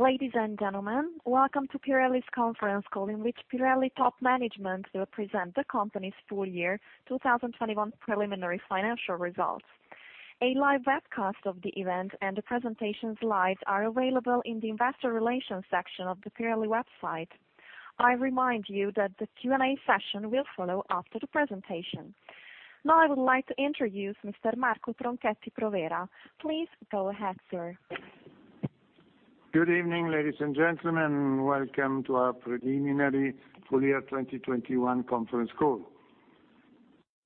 Ladies and gentlemen, welcome to Pirelli's conference call, in which Pirelli top management will present the company's full year 2021 preliminary financial results. A live webcast of the event and the presentation slides are available in the investor relations section of the Pirelli website. I remind you that the Q&A session will follow after the presentation. Now, I would like to introduce Mr. Marco Tronchetti Provera. Please go ahead, sir. Good evening, ladies and gentlemen. Welcome to our preliminary full year 2021 conference call.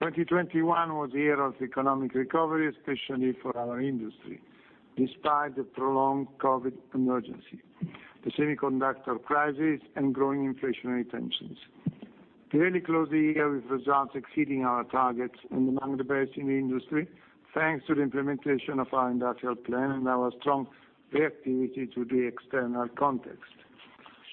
2021 was the year of economic recovery, especially for our industry, despite the prolonged COVID emergency, the semiconductor crisis, and growing inflationary tensions. Clearly, closing here with results exceeding our targets and among the best in the industry, thanks to the implementation of our industrial plan and our strong reactivity to the external context.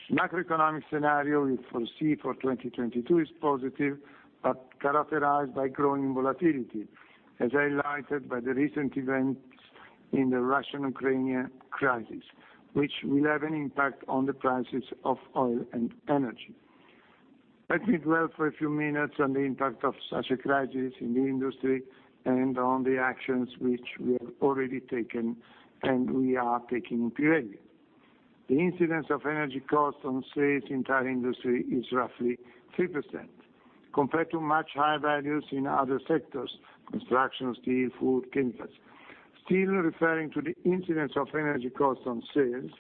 The macroeconomic scenario we foresee for 2022 is positive, but characterized by growing volatility, as highlighted by the recent events in the Russian-Ukrainian crisis, which will have an impact on the prices of oil and energy. Let me dwell for a few minutes on the impact of such a crisis on the industry and on the actions which we have already taken and we are taking in Pirelli. The incidence of energy costs on sales of the entire industry is roughly 3% compared to much higher values in other sectors, construction, steel, food, chemicals. Still referring to the incidence of energy costs on sales,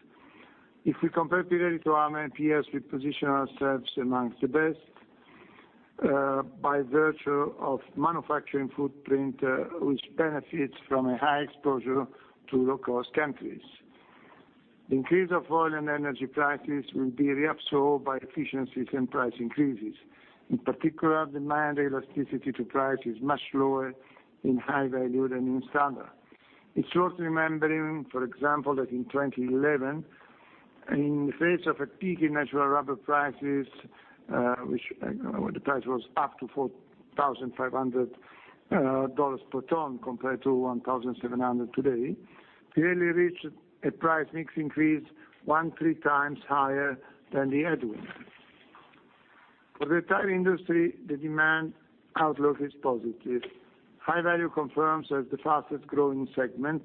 if we compare Pirelli to our main peers, we position ourselves among the best by virtue of manufacturing footprint, which benefits from a high exposure to low-cost countries. The increase of oil and energy prices will be reabsorbed by efficiencies and price increases. In particular, demand elasticity to price is much lower in high value than in standard. It's worth remembering, for example, that in 2011, in the face of a peak in natural rubber prices where the price was up to $4,500 per ton compared to $1,700 today, Pirelli reached a price mix increase 1.3x higher than the headwind. For the entire industry, the demand outlook is positive. High value confirms as the fastest-growing segment,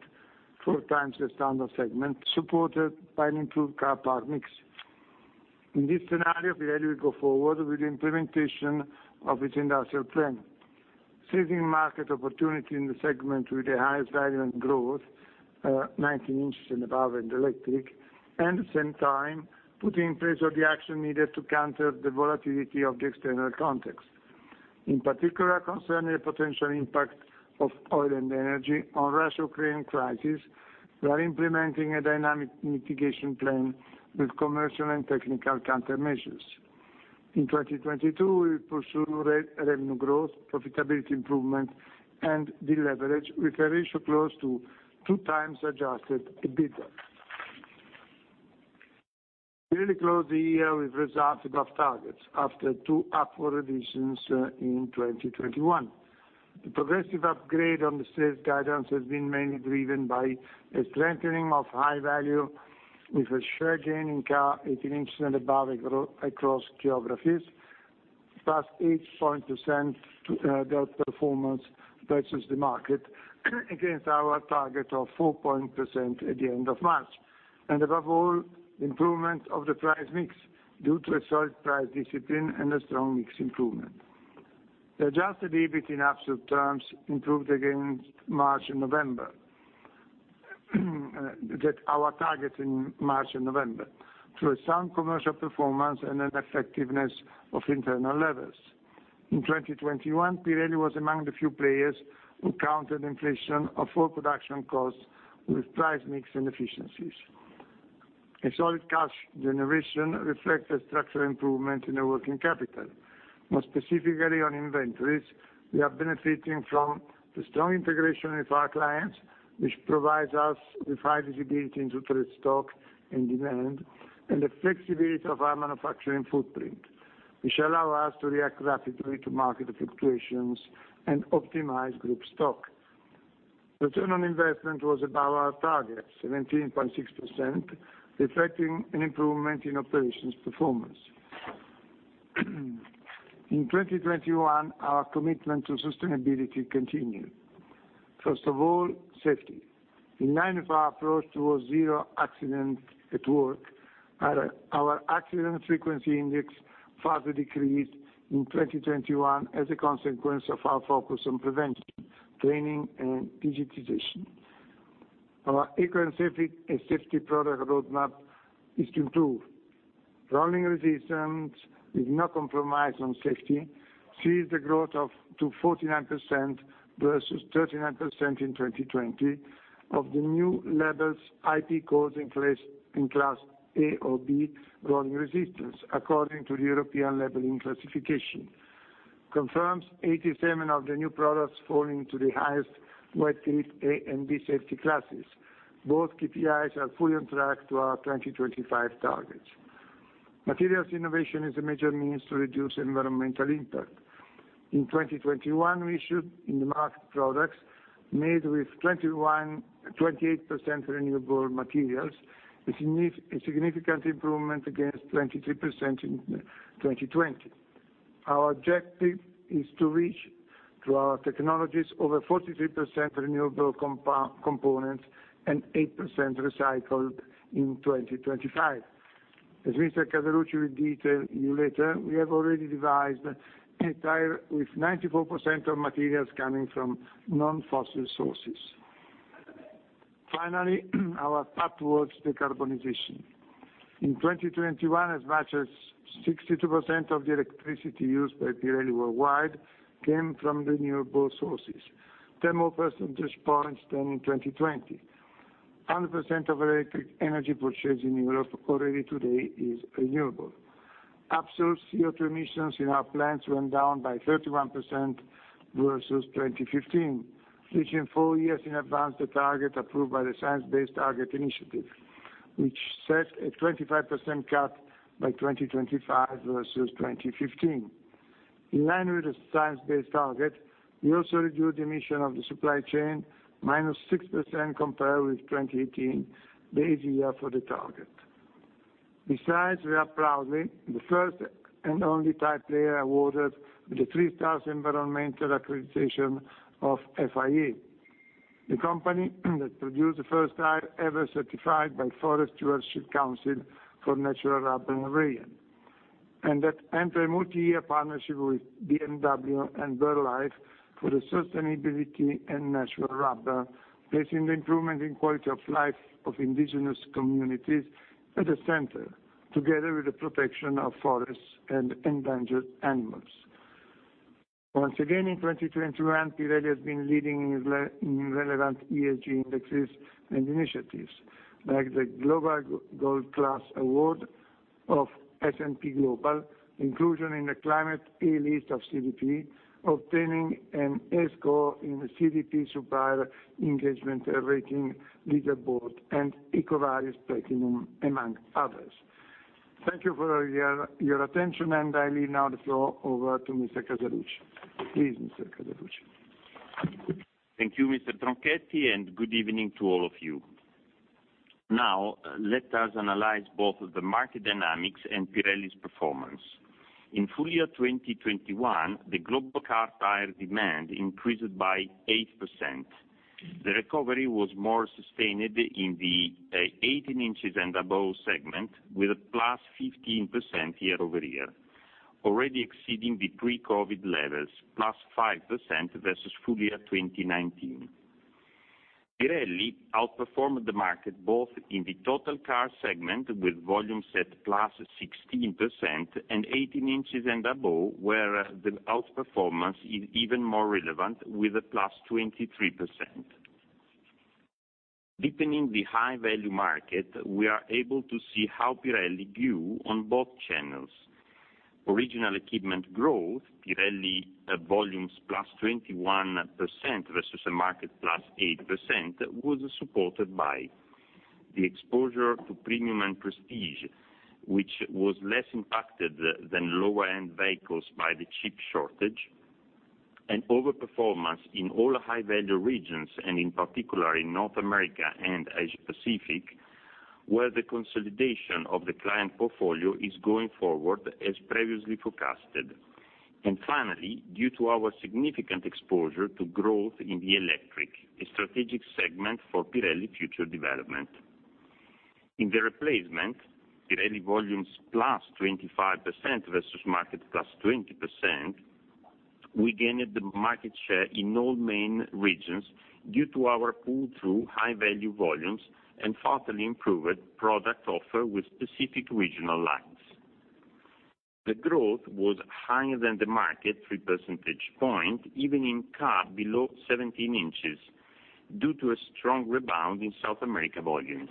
four times the standard segment, supported by an improved car park mix. In this scenario, Pirelli will go forward with the implementation of its industrial plan, seizing market opportunity in the segment with the highest value and growth, 19 inches and above in the electric, and at the same time, putting in place all the action needed to counter the volatility of the external context. In particular, concerning the potential impact of oil and energy on Russia-Ukraine crisis, we are implementing a dynamic mitigation plan with commercial and technical countermeasures. In 2022, we will pursue revenue growth, profitability improvement, and deleverage with a ratio close to 2x adjusted EBITDA. Pirelli closed the year with results above targets after two upward revisions in 2021. The progressive upgrade on the sales guidance has been mainly driven by a strengthening of high value with a share gain in car 18 inches and above across geographies, +8% to that performance versus the market against our target of 4% at the end of March. Above all, improvement of the price mix due to a solid price discipline and a strong mix improvement. The Adjusted EBIT in absolute terms improved against our target in March and November through a sound commercial performance and an effectiveness of internal levers. In 2021, Pirelli was among the few players who countered inflation of all production costs with price mix and efficiencies. A solid cash generation reflects a structural improvement in the working capital. More specifically on inventories, we are benefiting from the strong integration with our clients, which provides us with high visibility into trade stock and demand and the flexibility of our manufacturing footprint, which allow us to react rapidly to market fluctuations and optimize group stock. Return on investment was above our target, 17.6%, reflecting an improvement in operations performance. In 2021, our commitment to sustainability continued. First of all, safety. In line with our approach towards zero accident at work, our accident frequency index further decreased in 2021 as a consequence of our focus on prevention, training, and digitization. Our Eco & Safety product roadmap is to improve. Rolling resistance with no compromise on safety sees the growth of to 49% versus 39% in 2020 of the new levels IP codes in class, in class A or B rolling resistance, according to the European labeling classification. Confirms 87% of the new products falling to the highest wet grip A and B safety classes. Both KPIs are fully on track to our 2025 targets. Materials innovation is a major means to reduce environmental impact. In 2021, we issued in the market products made with 28% renewable materials, which is a significant improvement against 23% in 2020. Our objective is to reach, through our technologies, over 43% renewable components and 8% recycled in 2025. As Mr. Casaluci will detail you later, we have already devised an entire, with 94% of materials coming from non-fossil sources. Finally, our path towards decarbonization. In 2021, as much as 62% of the electricity used by Pirelli worldwide came from renewable sources, 10 more percentage points than in 2020. 100% of electric energy purchased in Europe already today is renewable. Absolute CO2 emissions in our plants went down by 31% versus 2015, reaching four years in advance the target approved by the Science Based Targets initiative, which set a 25% cut by 2025 versus 2015. In line with the science-based target, we also reduced emissions of the supply chain, -6% compared with 2018, the base year for the target. Besides, we are proudly the first and only tire player awarded with the three-star environmental accreditation of FIA, the company that produced the first tire ever certified by Forest Stewardship Council for natural rubber and rayon. That entered a multi-year partnership with BMW and Wildlife for the sustainability and natural rubber, placing the improvement in quality of life of indigenous communities at the center, together with the protection of forests and endangered animals. Once again, in 2021, Pirelli has been leading in relevant ESG indexes and initiatives, like the Global Gold Class award of S&P Global, inclusion in the Climate A List of CDP, obtaining an A score in the CDP Supplier Engagement Leaderboard, and EcoVadis Platinum, among others. Thank you for your attention, and I leave now the floor over to Mr. Casaluci. Please, Mr. Casaluci. Thank you, Mr. Tronchetti, and good evening to all of you. Now, let us analyze both the market dynamics and Pirelli's performance. In full year 2021, the global car tire demand increased by 8%. The recovery was more sustained in the 18 inches and above segment, with a +15% year over year, already exceeding the pre-COVID levels, +5% versus full year 2019. Pirelli outperformed the market both in the total car segment, with volumes at +16%, and 18 inches and above, where the outperformance is even more relevant with a +23%. Deepening the high value market, we are able to see how Pirelli grew on both channels. Original equipment growth, Pirelli volumes +21% versus a market +8%, was supported by the exposure to premium and prestige, which was less impacted than lower-end vehicles by the chip shortage, and overperformance in all high-value regions, and in particular in North America and Asia Pacific, where the consolidation of the client portfolio is going forward as previously forecasted. Finally, due to our significant exposure to growth in the electric, a strategic segment for Pirelli future development. In the replacement, Pirelli volumes +25% versus market +20%, we gained the market share in all main regions due to our pull-through high-value volumes and further improved product offer with specific regional lines. The growth was higher than the market 3 percentage points, even in car below 17 inches, due to a strong rebound in South America volumes.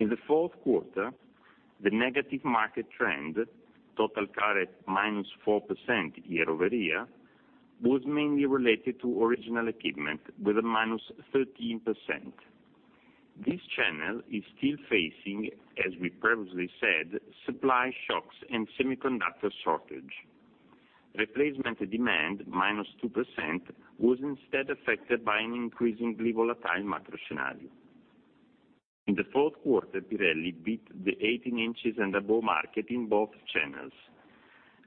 In the fourth quarter, the negative market trend, total car at -4% year-over-year, was mainly related to original equipment with a -13%. This channel is still facing, as we previously said, supply shocks and semiconductor shortage. Replacement demand, -2%, was instead affected by an increasingly volatile macro scenario. In the fourth quarter, Pirelli beat the 18 inches and above market in both channels.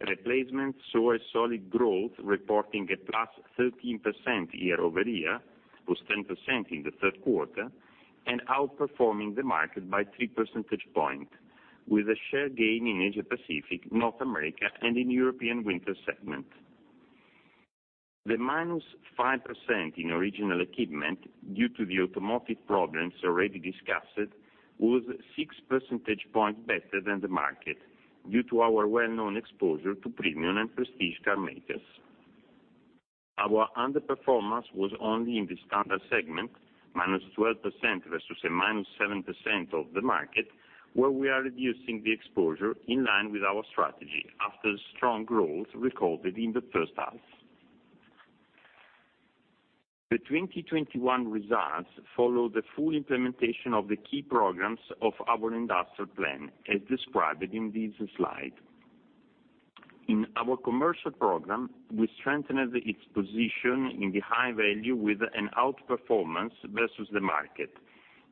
Replacement saw a solid growth, reporting a +13% year-over-year, was 10% in the third quarter, and outperforming the market by three percentage point, with a share gain in Asia Pacific, North America, and in European winter segment. The -5% in original equipment, due to the automotive problems already discussed, was six percentage point better than the market due to our well-known exposure to premium and prestige car makers. Our underperformance was only in the standard segment, -12% versus a -7% of the market, where we are reducing the exposure in line with our strategy after the strong growth recorded in the first half. The 2021 results follow the full implementation of the key programs of our industrial plan, as described in this slide. In our commercial program, we strengthened its position in the high-value with an outperformance versus the market,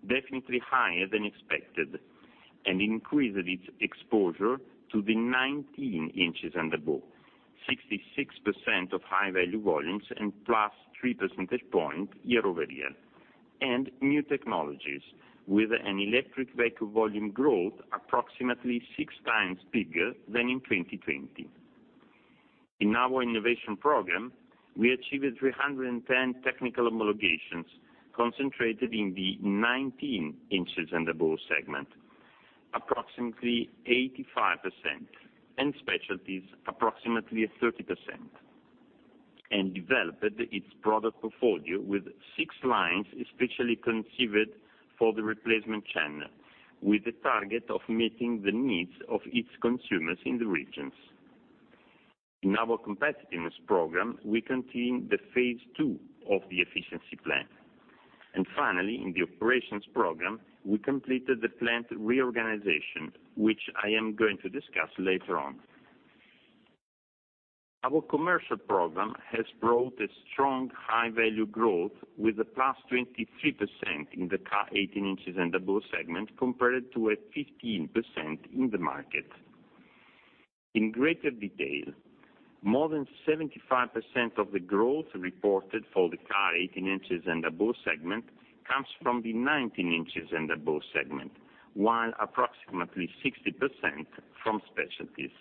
definitely higher than expected, and increased its exposure to the 19 inches and above, 66% of high-value volumes and +3 percentage points year-over-year, and new technologies with an electric vehicle volume growth approximately 6 times bigger than in 2020. In our innovation program, we achieved 310 technical homologations concentrated in the 19 inches and above segment, approximately 85%, and specialties approximately 30%, and developed its product portfolio with six lines especially conceived for the replacement channel, with the target of meeting the needs of its consumers in the regions. In our competitiveness program, we continue the phase II of the efficiency plan. Finally, in the operations program, we completed the plant reorganization, which I am going to discuss later on. Our commercial program has brought a strong high-value growth with a +23% in the car 18 inches and above segment, compared to a 15% in the market. In greater detail, more than 75% of the growth reported for the car 18 inches and above segment comes from the 19 inches and above segment, while approximately 60% from specialties.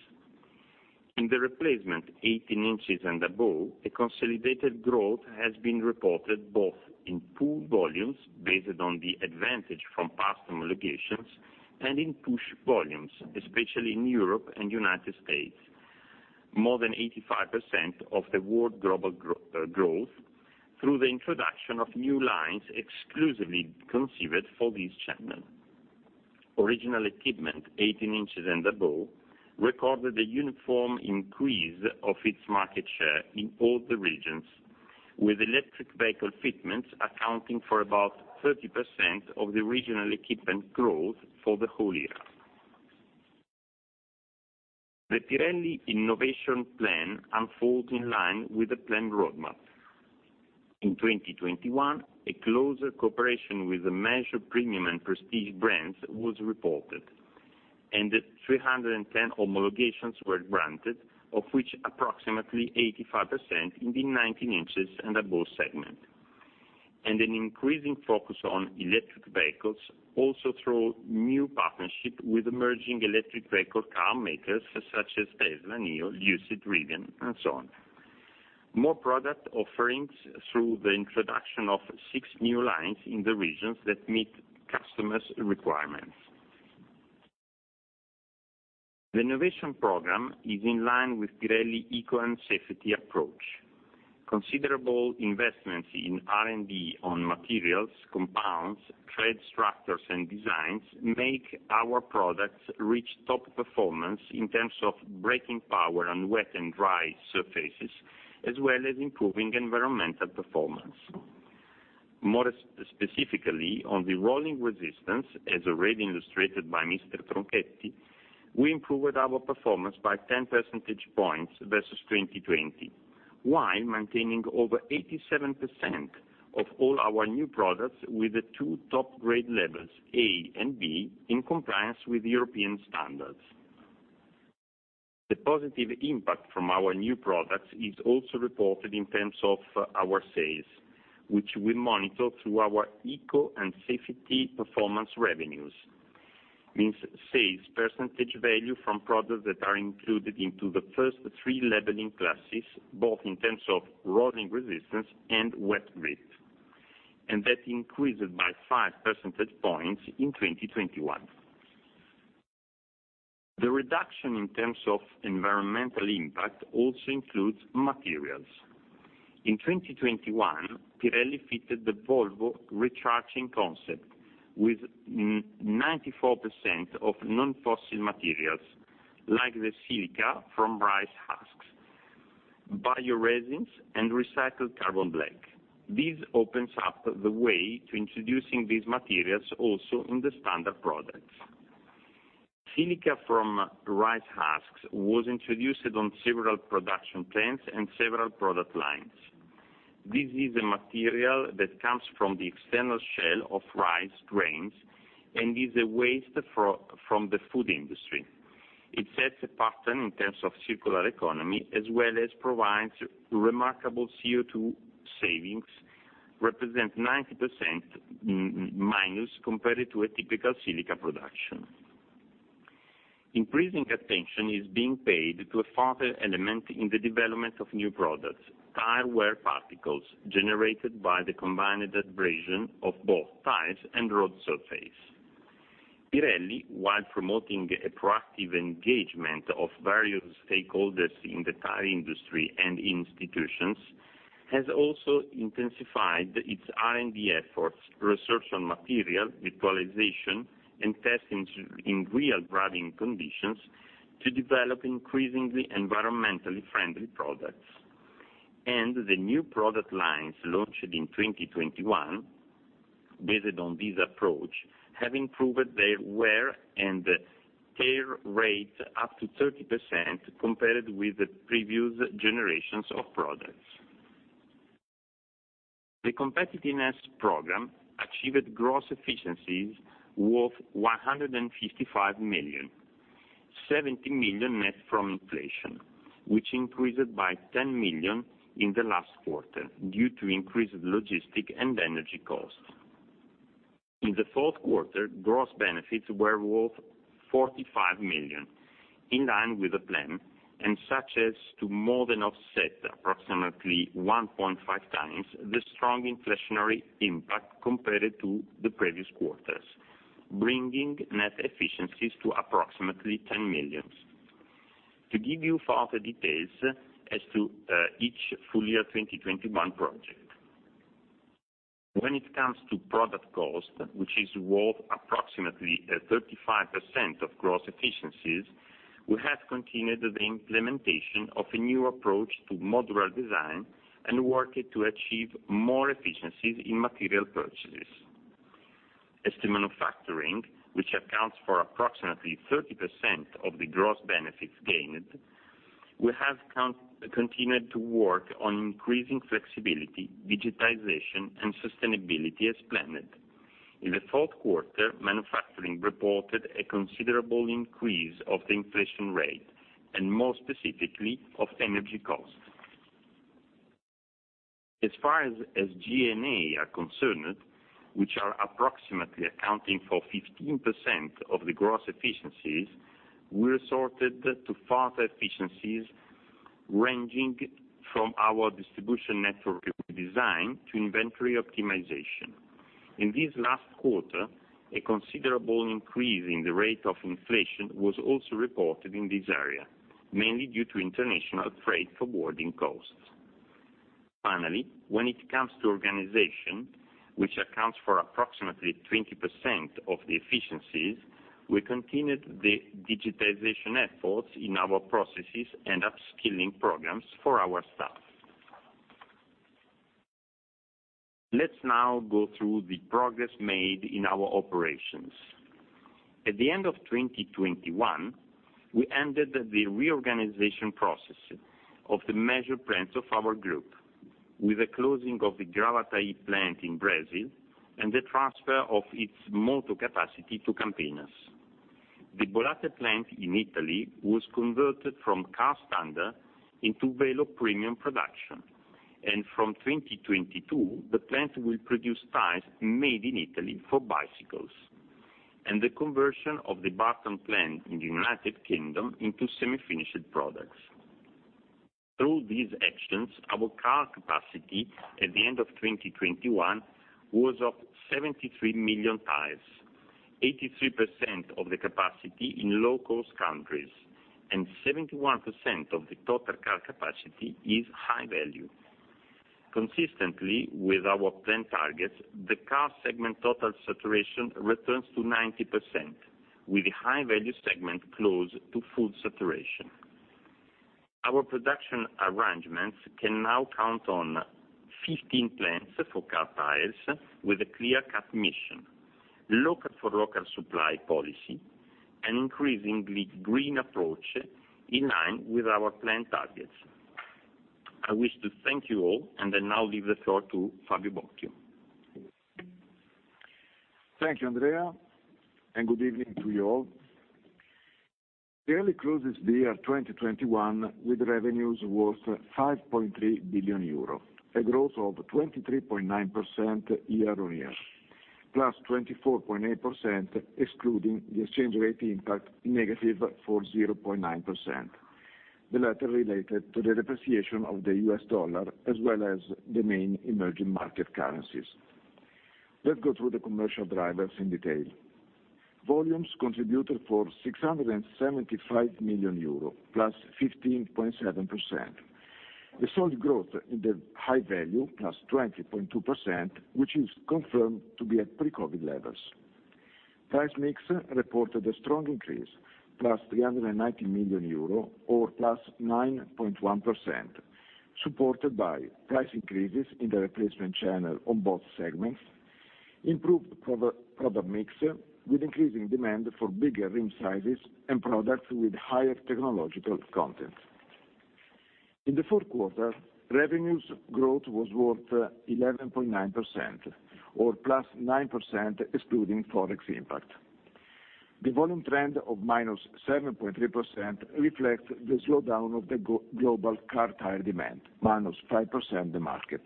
In the replacement 18 inches and above, a consolidated growth has been reported both in pull volumes based on the advantage from past homologations and in push volumes, especially in Europe and United States. More than 85% of the world global growth through the introduction of new lines exclusively conceived for this channel. Original equipment 18 inches and above recorded a uniform increase of its market share in all the regions, with electric vehicle fitments accounting for about 30% of the original equipment growth for the whole year. The Pirelli innovation plan unfold in line with the plan roadmap. In 2021, a closer cooperation with the major premium and prestige brands was reported, and 310 homologations were granted, of which approximately 85% in the 19 inches and above segment. An increasing focus on electric vehicles also through new partnership with emerging electric vehicle car makers such as Tesla, NIO, Lucid, Rivian, and so on. More product offerings through the introduction of six new lines in the regions that meet customers' requirements. The innovation program is in line with Pirelli Eco & Safety approach. Considerable investments in R&D on materials, compounds, tread structures, and designs make our products reach top performance in terms of braking power on wet and dry surfaces, as well as improving environmental performance. More specifically, on the rolling resistance, as already illustrated by Mr. Tronchetti, we improved our performance by 10 percentage points versus 2020, while maintaining over 87% of all our new products with the two top grade levels, A and B, in compliance with European standards. The positive impact from our new products is also reported in terms of our sales, which we monitor through our Eco & Safety performance revenues, means sales percentage value from products that are included into the first three labeling classes, both in terms of rolling resistance and wet grip, and that increased by 5 percentage points in 2021. The reduction in terms of environmental impact also includes materials. In 2021, Pirelli fitted the Volvo Concept Recharge with 94% of non-fossil materials like the silica from rice husks, bio-resins, and recycled carbon black. This opens up the way to introducing these materials also in the standard products. Silica from rice husks was introduced on several production plants and several product lines. This is a material that comes from the external shell of rice grains and is a waste from the food industry. It sets a pattern in terms of circular economy, as well as provides remarkable CO2 savings representing 90% less compared to a typical silica production. Increasing attention is being paid to a further element in the development of new products, tire wear particles generated by the combined abrasion of both tires and road surface. Pirelli, while promoting a proactive engagement of various stakeholders in the tire industry and institutions, has also intensified its R&D efforts, research on material, visualization, and testing in real driving conditions to develop increasingly environmentally friendly products. The new product lines launched in 2021, based on this approach, have improved their wear and tear rate up to 30% compared with the previous generations of products. The competitiveness program achieved gross efficiencies worth 155 million, 70 million net from inflation, which increased by 10 million in the last quarter due to increased logistics and energy costs. In the fourth quarter, gross benefits were worth 45 million, in line with the plan, and such as to more than offset approximately 1.5x the strong inflationary impact compared to the previous quarters, bringing net efficiencies to approximately 10 million. To give you further details as to the full-year 2021 project. When it comes to product cost, which is worth approximately 35% of gross efficiencies, we have continued the implementation of a new approach to modular design and worked to achieve more efficiencies in material purchases. As to manufacturing, which accounts for approximately 30% of the gross benefits gained, we have continued to work on increasing flexibility, digitization, and sustainability as planned. In the fourth quarter, manufacturing reported a considerable increase of the inflation rate and more specifically, of energy costs. As far as G&A are concerned, which are approximately accounting for 15% of the gross efficiencies, we resorted to further efficiencies ranging from our distribution network redesign to inventory optimization. In this last quarter, a considerable increase in the rate of inflation was also reported in this area, mainly due to international freight forwarding costs. Finally, when it comes to organization, which accounts for approximately 20% of the efficiencies, we continued the digitization efforts in our processes and upskilling programs for our staff. Let's now go through the progress made in our operations. At the end of 2021, we ended the reorganization process of the major plants of our group, with the closing of the Gravataí plant in Brazil and the transfer of its mould capacity to Campinas. The Bollate plant in Italy was converted from car standard into Velo premium production. From 2022, the plant will produce tires made in Italy for bicycles. The conversion of the Burton plant in the U.K. into semi-finished products. Through these actions, our car capacity at the end of 2021 was up 73 million tires, 83% of the capacity in low-cost countries, and 71% of the total car capacity is high value. Consistently with our plant targets, the car segment total saturation returns to 90%, with the high value segment close to full saturation. Our production arrangements can now count on 15 plants for car tires with a clear-cut mission, local for local supply policy, an increasingly green approach in line with our plant targets. I wish to thank you all, and I now leave the floor to Fabio Bocchio. Thank you, Andrea, and good evening to you all. Pirelli closes the year 2021 with revenues worth 5.3 billion euro, a growth of 23.9% year-on-year, +24.8% excluding the exchange rate impact negative for 0.9%, the latter related to the depreciation of the U.S. dollar as well as the main emerging market currencies. Let's go through the commercial drivers in detail. Volumes contributed for 675 million euro, +15.7%. The solid growth in the high value, +20.2%, which is confirmed to be at pre-COVID levels. Price mix reported a strong increase, +390 million euro or +9.1%, supported by price increases in the replacement channel on both segments, improved product mix with increasing demand for bigger rim sizes and products with higher technological content. In the fourth quarter, revenues growth was worth 11.9% or +9% excluding Forex impact. The volume trend of -7.3% reflects the slowdown of the global car tire demand, -5% the market,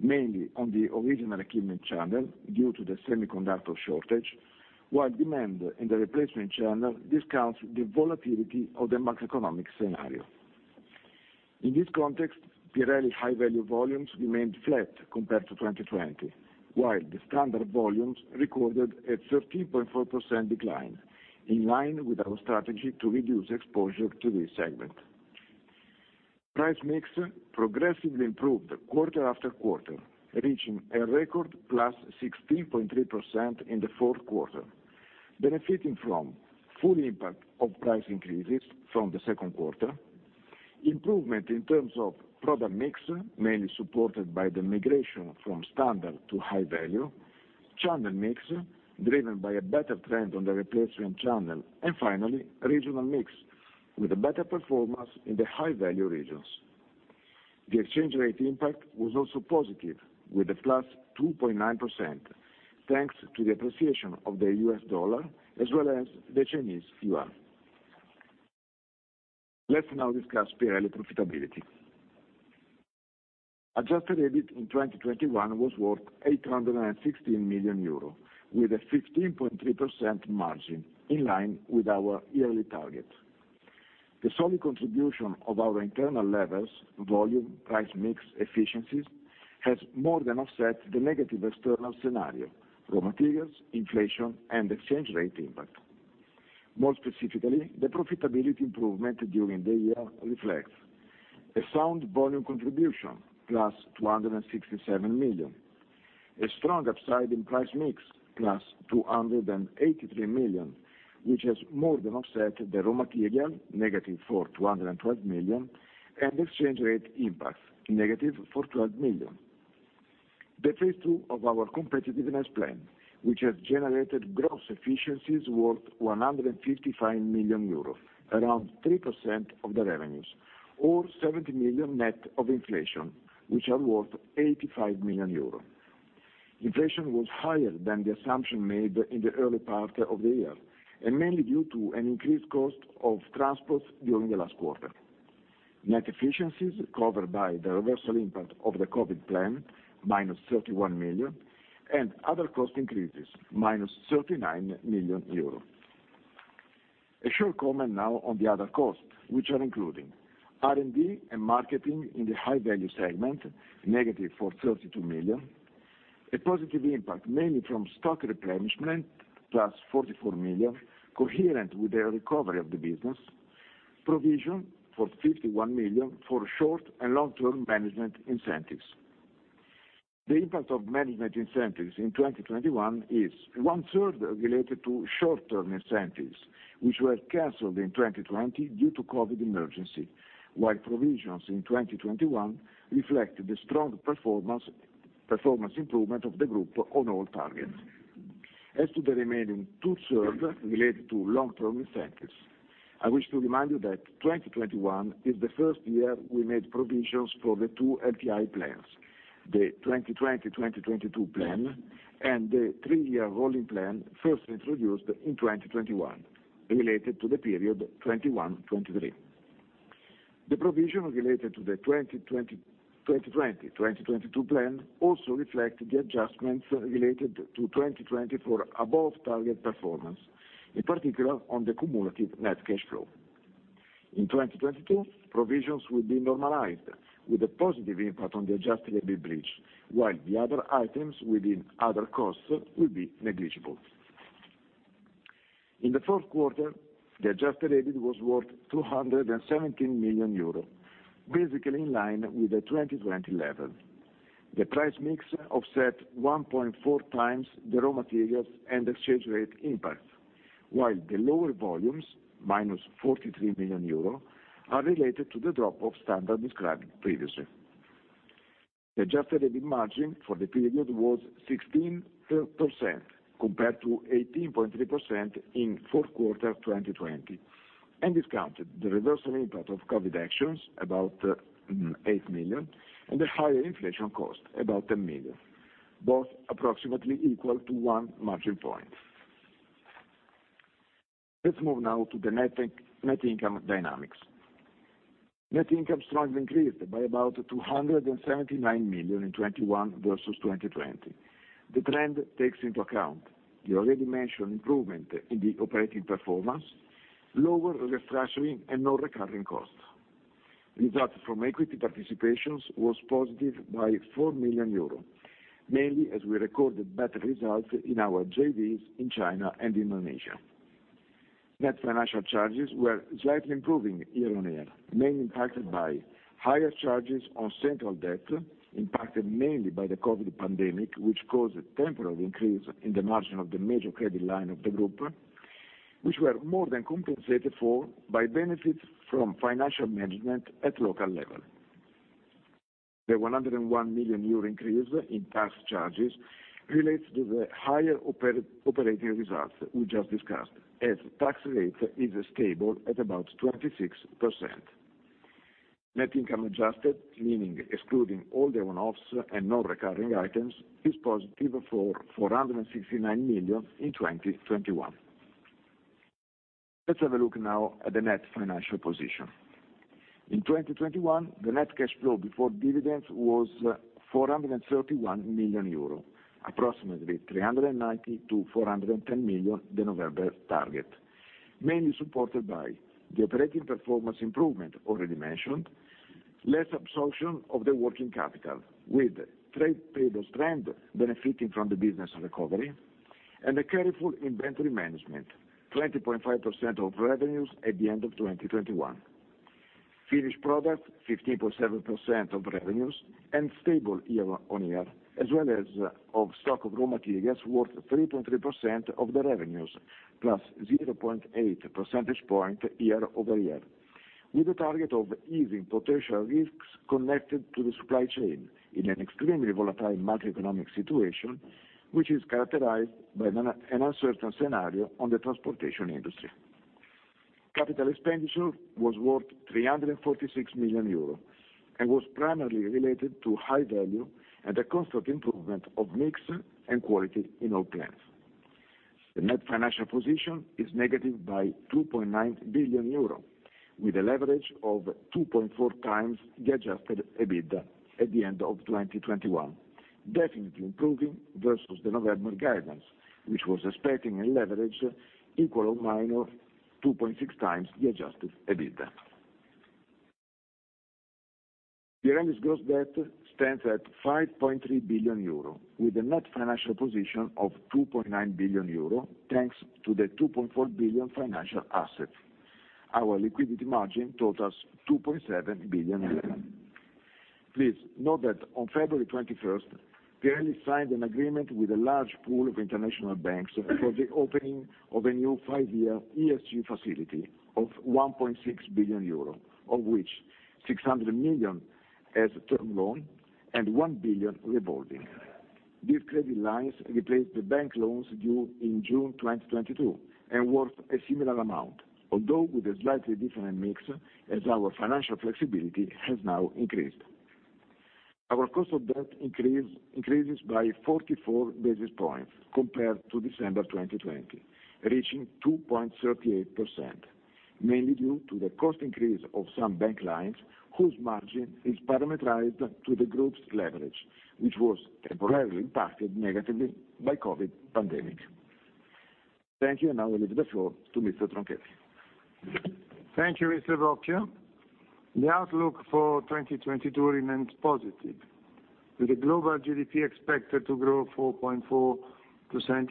mainly on the original equipment channel due to the semiconductor shortage, while demand in the replacement channel discounts the volatility of the macroeconomic scenario. In this context, Pirelli high value volumes remained flat compared to 2020, while the standard volumes recorded a 13.4% decline, in line with our strategy to reduce exposure to this segment. Price mix progressively improved quarter after quarter, reaching a record +16.3% in the fourth quarter, benefiting from full impact of price increases from the second quarter, improvement in terms of product mix, mainly supported by the migration from standard to high value, channel mix, driven by a better trend on the replacement channel, and finally, regional mix, with a better performance in the high-value regions. The exchange rate impact was also positive, with a +2.9%, thanks to the appreciation of the US dollar as well as the Chinese yuan. Let's now discuss Pirelli profitability. Adjusted EBIT in 2021 was worth 816 million euro, with a 15.3% margin, in line with our yearly target. The solid contribution of our internal levers, volume, price mix, efficiencies, has more than offset the negative external scenario, raw materials, inflation, and exchange rate impact. More specifically, the profitability improvement during the year reflects a sound volume contribution, +267 million, a strong upside in price mix, +283 million, which has more than offset the raw material, -412 million, and exchange rate impact, -412 million. The phase II of our competitiveness plan, which has generated gross efficiencies worth 155 million euros, around 3% of the revenues, or 70 million net of inflation, which are worth 85 million euros. Inflation was higher than the assumption made in the early part of the year, and mainly due to an increased cost of transports during the last quarter. Net efficiencies covered by the reversal impact of the COVID plan, -31 million, and other cost increases, -39 million euros. A short comment now on the other costs, which are including R&D and marketing in the high-value segment, -432 million. A positive impact, mainly from stock replenishment, +44 million, coherent with the recovery of the business. Provision for 51 million for short and long-term management incentives. The impact of management incentives in 2021 is one-third related to short-term incentives, which were canceled in 2020 due to COVID emergency, while provisions in 2021 reflect the strong performance improvement of the group on all targets. As to the remaining two-thirds related to long-term incentives, I wish to remind you that 2021 is the first year we made provisions for the two LTI plans, the 2020/2022 plan and the three-year rolling plan first introduced in 2021, related to the period 2021/2023. The provision related to the 2020/2022 plan also reflect the adjustments related to 2020 for above target performance, in particular, on the cumulative net cash flow. In 2022, provisions will be normalized with a positive impact on the Adjusted EBIT bridge, while the other items within other costs will be negligible. In the fourth quarter, the Adjusted EBIT was worth 217 million euros, basically in line with the 2020 level. The price mix offset 1.4x the raw materials and exchange rate impact, while the lower volumes, -43 million euro, are related to the drop of standard described previously. The adjusted EBIT margin for the period was 16% compared to 18.3% in fourth quarter 2020 and discounted the reversal impact of COVID actions about eight million and the higher inflation cost, about ten million, both approximately equal to 1 margin point. Let's move now to the net income dynamics. Net income strongly increased by about 279 million in 2021 versus 2020. The trend takes into account the already mentioned improvement in the operating performance, lower restructuring and non-recurring costs. Results from equity participations was positive by 4 million euros, mainly as we recorded better results in our JVs in China and Indonesia. Net financial charges were slightly improving year-on-year, mainly impacted by higher charges on central debt, impacted mainly by the COVID pandemic, which caused a temporary increase in the margin of the major credit line of the group, which were more than compensated for by benefits from financial management at local level. The 101 million euro increase in tax charges relates to the higher operating results we just discussed, as tax rate is stable at about 26%. Net income adjusted, meaning excluding all the one-offs and non-recurring items, is positive for 469 million in 2021. Let's have a look now at the net financial position. In 2021, the net cash flow before dividends was 431 million euro, approximately 390 million-410 million, the November target, mainly supported by the operating performance improvement already mentioned, less absorption of the working capital with trade payables trend benefiting from the business recovery. A careful inventory management, 20.5% of revenues at the end of 2021. Finished product 15.7% of revenues and stable year-on-year, as well as stock of raw materials worth 3.3% of the revenues, +0.8 percentage point year-over-year, with the target of easing potential risks connected to the supply chain in an extremely volatile macroeconomic situation, which is characterized by an uncertain scenario on the transportation industry. Capital expenditure was worth 346 million euros and was primarily related to high value and a constant improvement of mix and quality in all plants. The net financial position is negative by 2.9 billion euro, with a leverage of 2.4x the Adjusted EBITDA at the end of 2021, definitely improving versus the November guidance, which was expecting a leverage equal to or lower than 2.6x the Adjusted EBITDA. Pirelli's gross debt stands at 5.3 billion euro, with a net financial position of 2.9 billion euro, thanks to the 2.4 billion financial assets. Our liquidity margin totals 2.7 billion euro. Please note that on February 21st, Pirelli signed an agreement with a large pool of international banks for the opening of a new five-year ESG facility of 1.6 billion euro, of which 600 million as term loan and 1 billion revolving. These credit lines replace the bank loans due in June 2022 and worth a similar amount, although with a slightly different mix, as our financial flexibility has now increased. Our cost of debt increases by 44 basis points compared to December 2020, reaching 2.38%, mainly due to the cost increase of some bank lines, whose margin is parameterized to the group's leverage, which was temporarily impacted negatively by COVID pandemic. Thank you. Now I leave the floor to Mr. Tronchetti Provera. Thank you, Mr. Bocchio. The outlook for 2022 remains positive, with the global GDP expected to grow 4.4%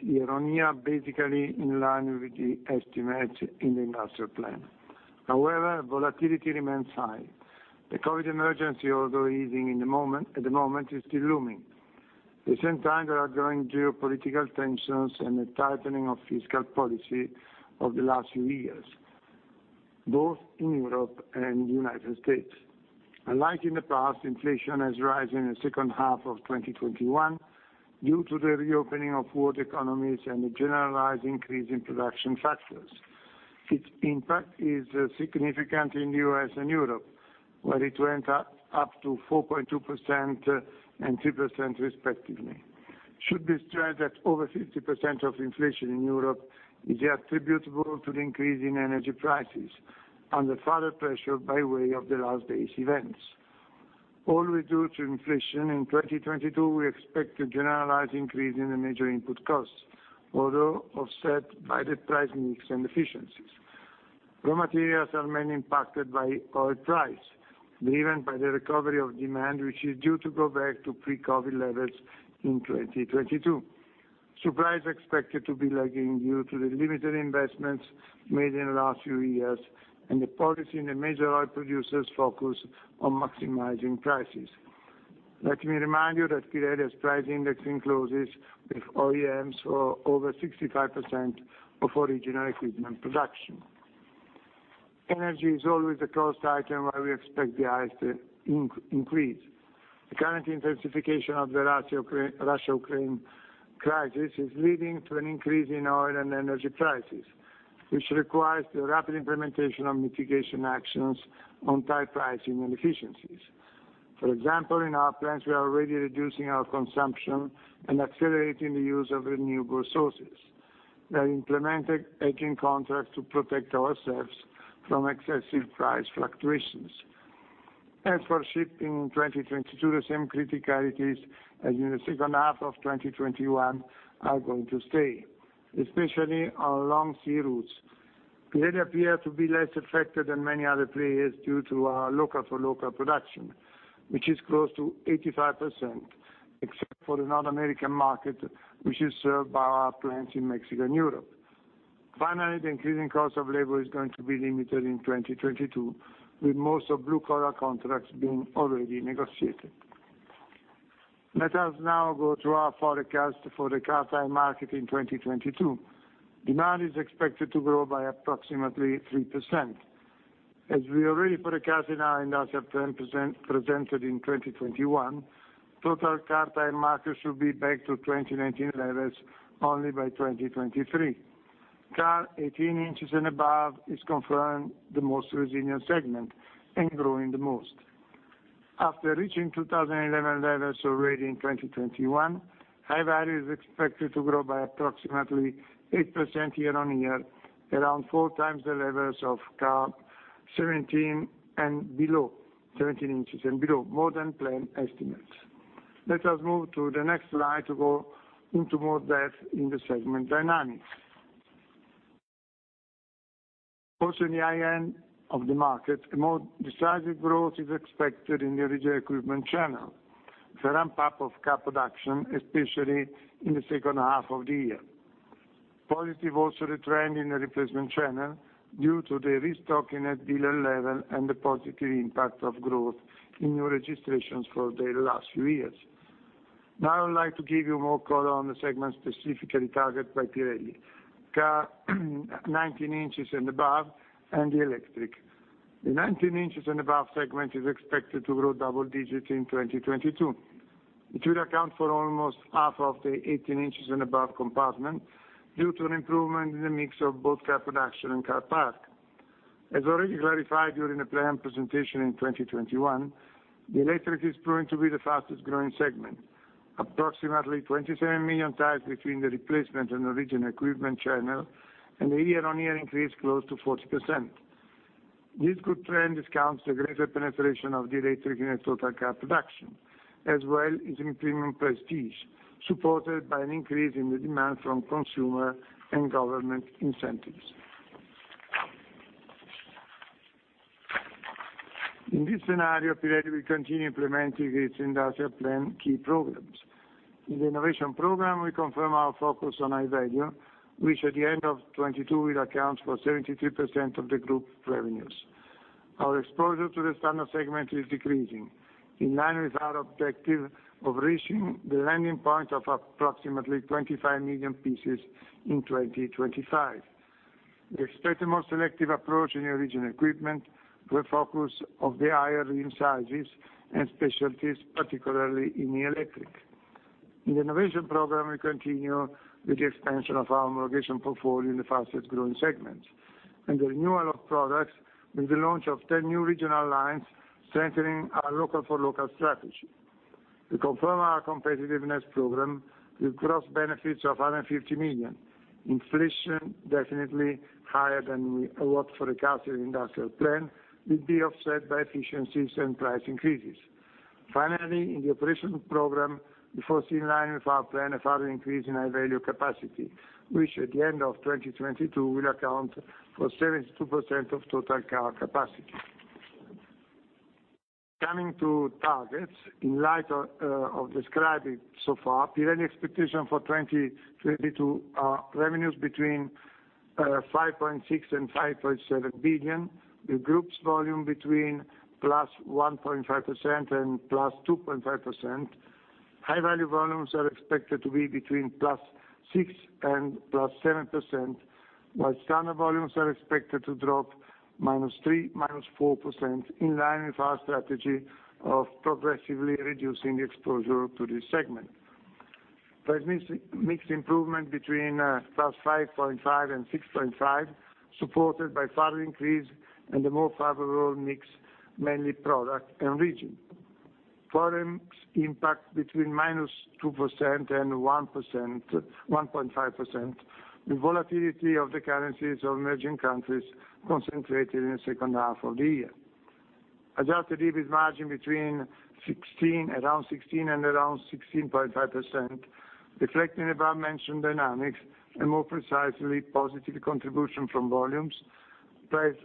year-on-year, basically in line with the estimate in the industrial plan. However, volatility remains high. The COVID emergency, although easing at the moment, is still looming. At the same time, there are growing geopolitical tensions and a tightening of fiscal policy of the last few years, both in Europe and United States. Alike in the past, inflation has risen in the second half of 2021 due to the reopening of world economies and the generalized increase in production factors. Its impact is significant in U.S. and Europe, where it went up to 4.2% and 3% respectively. should be stressed that over 50% of inflation in Europe is attributable to the increase in energy prices, under further pressure by way of the last days' events. As for inflation in 2022, we expect a generalized increase in the major input costs, although offset by the price mix and efficiencies. Raw materials are mainly impacted by oil price, driven by the recovery of demand, which is due to go back to pre-COVID levels in 2022. Supply is expected to be lagging due to the limited investments made in the last few years and the policy in the major oil producers focused on maximizing prices. Let me remind you that Pirelli's price indexing clauses with OEMs for over 65% of original equipment production. Energy is always the cost item where we expect the highest increase. The current intensification of the Russia-Ukraine crisis is leading to an increase in oil and energy prices, which requires the rapid implementation of mitigation actions on tight pricing and efficiencies. For example, in our plants, we are already reducing our consumption and accelerating the use of renewable sources. We are implementing hedging contracts to protect ourselves from excessive price fluctuations. As for shipping in 2022, the same criticalities as in the second half of 2021 are going to stay, especially on long sea routes. Pirelli appears to be less affected than many other players due to our local for local production, which is close to 85%, except for the North American market, which is served by our plants in Mexico and Europe. Finally, the increasing cost of labor is going to be limited in 2022, with most of blue collar contracts being already negotiated. Let us now go through our forecast for the car tire market in 2022. Demand is expected to grow by approximately 3%. As we already forecasted in our industrial plan presented in 2021, total car tire market should be back to 2019 levels only by 2023. Car 18 inches and above is confirmed the most resilient segment and growing the most. After reaching 2011 levels already in 2021, high value is expected to grow by approximately 8% year on year, around 4x the levels of car 17 inches and below, more than planned estimates. Let us move to the next slide to go into more depth in the segment dynamics. Also in the high end of the market, a more decisive growth is expected in the original equipment channel for a ramp up of car production, especially in the second half of the year. Positive also the trend in the replacement channel due to the restocking at dealer level and the positive impact of growth in new registrations for the last few years. Now I would like to give you more color on the segment specifically targeted by Pirelli. Car, 19 inches and above, and the electric. The 19 inches and above segment is expected to grow double digits in 2022. It will account for almost half of the 18 inches and above component due to an improvement in the mix of both car production and car park. As already clarified during the plan presentation in 2021, the electric is proving to be the fastest-growing segment. Approximately 27 million tires between the replacement and original equipment channel and a year-on-year increase close to 40%. This good trend discounts the greater penetration of the electric in the total car production, as well as improving prestige, supported by an increase in the demand from consumer and government incentives. In this scenario, Pirelli will continue implementing its industrial plan key programs. In the innovation program, we confirm our focus on high value, which at the end of 2022 will account for 73% of the group's revenues. Our exposure to the standard segment is decreasing, in line with our objective of reaching the landing point of approximately 25 million pieces in 2025. We expect a more selective approach in the original equipment with a focus on the higher rim sizes and specialties, particularly in the electric. In the innovation program, we continue with the expansion of our electrification portfolio in the fastest-growing segments and the renewal of products with the launch of 10 new regional lines strengthening our local-for-local strategy. We confirm our competitiveness program with gross benefits of 150 million. Inflation definitely higher than we allowed for in the CapEx set in Industrial Plan will be offset by efficiencies and price increases. Finally, in the operational program, we foresee in line with our plan a further increase in high-value capacity, which at the end of 2022 will account for 72% of total car capacity. Coming to targets, in light of describing so far, Pirelli expectation for 2022, revenues between 5.6 billion and 5.7 billion. The group's volume between +1.5% and +2.5%. High-value volumes are expected to be between +6% and +7%, while standard volumes are expected to drop -3%, -4% in line with our strategy of progressively reducing the exposure to this segment. Price mix improvement between +5.5% and +6.5%, supported by further increase and a more favorable mix, mainly product and region. Forex impact between -2% and -1.5%. The volatility of the currencies of emerging countries concentrated in the second half of the year. Adjusted EBIT margin between 16%, around 16% and around 16.5%, reflecting the above-mentioned dynamics and more precisely positive contribution from volumes. Price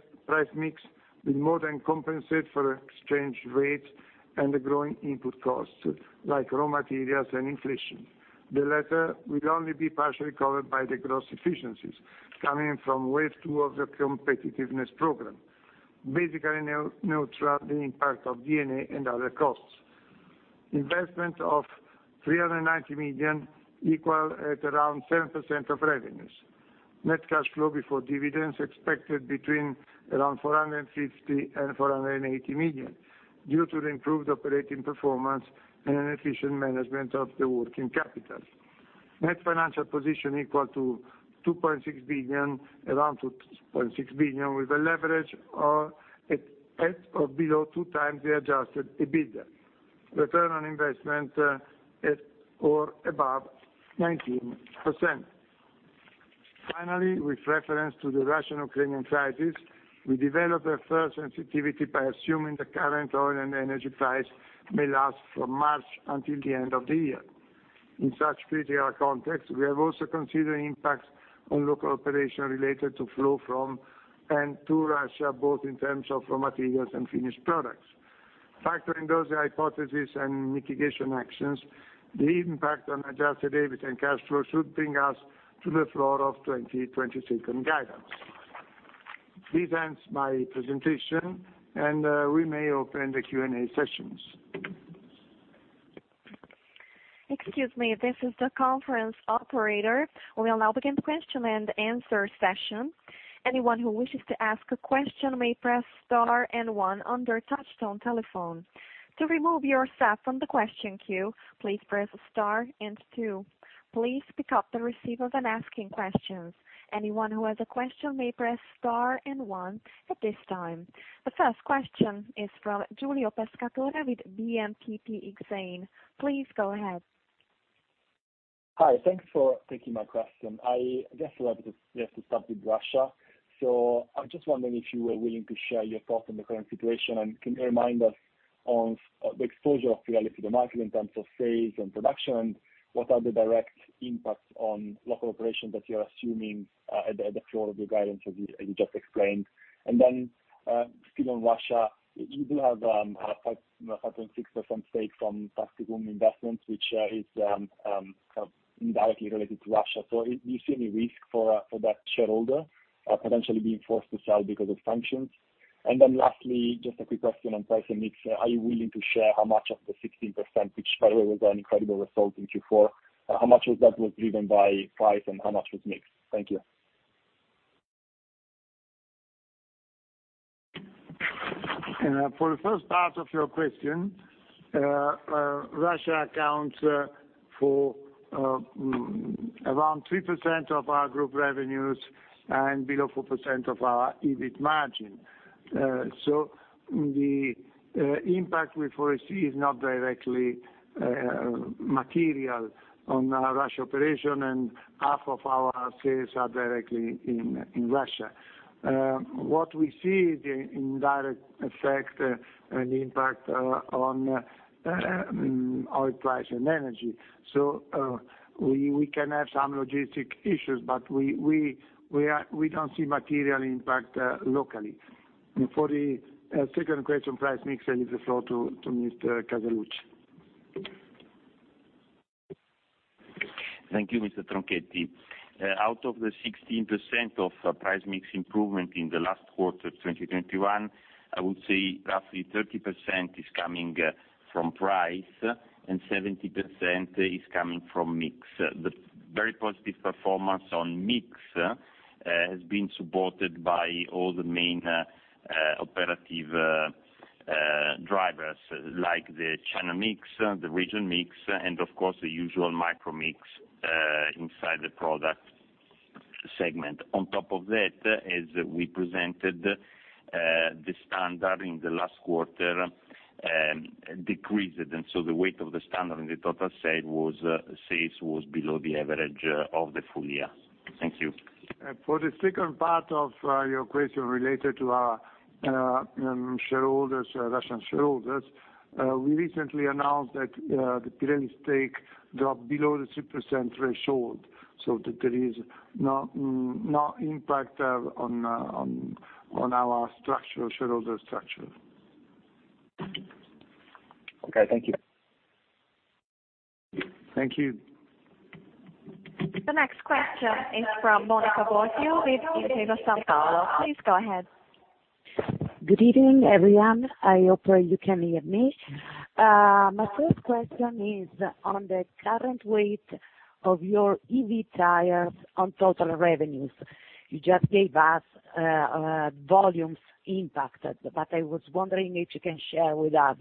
mix will more than compensate for exchange rates and the growing input costs, like raw materials and inflation. The latter will only be partially covered by the gross efficiencies coming from wave two of the competitiveness program. Basically neutral, the impact of D&A and other costs. Investment of 390 million equal at around 10% of revenues. Net cash flow before dividends expected between around 450 million and 480 million due to the improved operating performance and an efficient management of the working capital. Net financial position equal to 2.6 billion, around 2.6 billion, with a leverage of at or below 2x the adjusted EBITDA. Return on investment at or above 19%. Finally, with reference to the Russian-Ukrainian crisis, we developed a first sensitivity by assuming the current oil and energy price may last from March until the end of the year. In such critical context, we have also considered impacts on local operation related to flow from and to Russia, both in terms of raw materials and finished products. Factoring those hypotheses and mitigation actions, the impact on Adjusted EBIT and cash flow should bring us to the floor of 2022 guidance. This ends my presentation, and we may open the Q&A sessions. Excuse me, this is the conference operator. We will now begin the question-and-answer session. Anyone who wishes to ask a question may press star and one on their touchtone telephone. To remove yourself from the question queue, please press star and two. Please pick up the receivers when asking questions. Anyone who has a question may press star and one at this time. The first question is from Giulio Pescatore with BNP Paribas Exane. Please go ahead. Hi. Thanks for taking my question. I guess we have to start with Russia. I'm just wondering if you were willing to share your thoughts on the current situation, and can you remind us on the exposure of Pirelli to the market in terms of sales and production, what are the direct impacts on local operations that you're assuming at the floor of your guidance as you just explained? And then, still on Russia, you do have a 5.6% stake from Vostok Investment, which is kind of indirectly related to Russia. So do you see any risk for that shareholder potentially being forced to sell because of sanctions? And then lastly, just a quick question on price and mix. Are you willing to share how much of the 16%, which by the way was an incredible result in Q4, how much of that was driven by price and how much was mix? Thank you. For the first part of your question, Russia accounts for around 3% of our group revenues and below 4% of our EBIT margin. The impact we foresee is not directly material on our Russia operation, and half of our sales are directly in Russia. What we see is the indirect effect and impact on oil price and energy. We don't see material impact locally. For the second question, price mix, I leave the floor to Mr. Casaluci. Thank you, Mr. Tronchetti. Out of the 16% of price mix improvement in the last quarter of 2021, I would say roughly 30% is coming from price and 70% is coming from mix. The very positive performance on mix has been supported by all the main operative drivers, like the China mix, the region mix and of course the usual micro mix inside the product segment. On top of that, as we presented, the standard in the last quarter decreased. The weight of the standard in the total sales was below the average of the full year. Thank you. For the second part of your question related to our shareholders, Russian shareholders, we recently announced that the Pirelli stake dropped below the 3% threshold, so there is no impact on our structure, shareholder structure. Okay, thank you. Thank you. The next question is from Monica Bosio with Intesa Sanpaolo. Please go ahead. Good evening, everyone. I hope you can hear me. My first question is on the current weight of your EV tires on total revenues. You just gave us volumes impacted, but I was wondering if you can share with us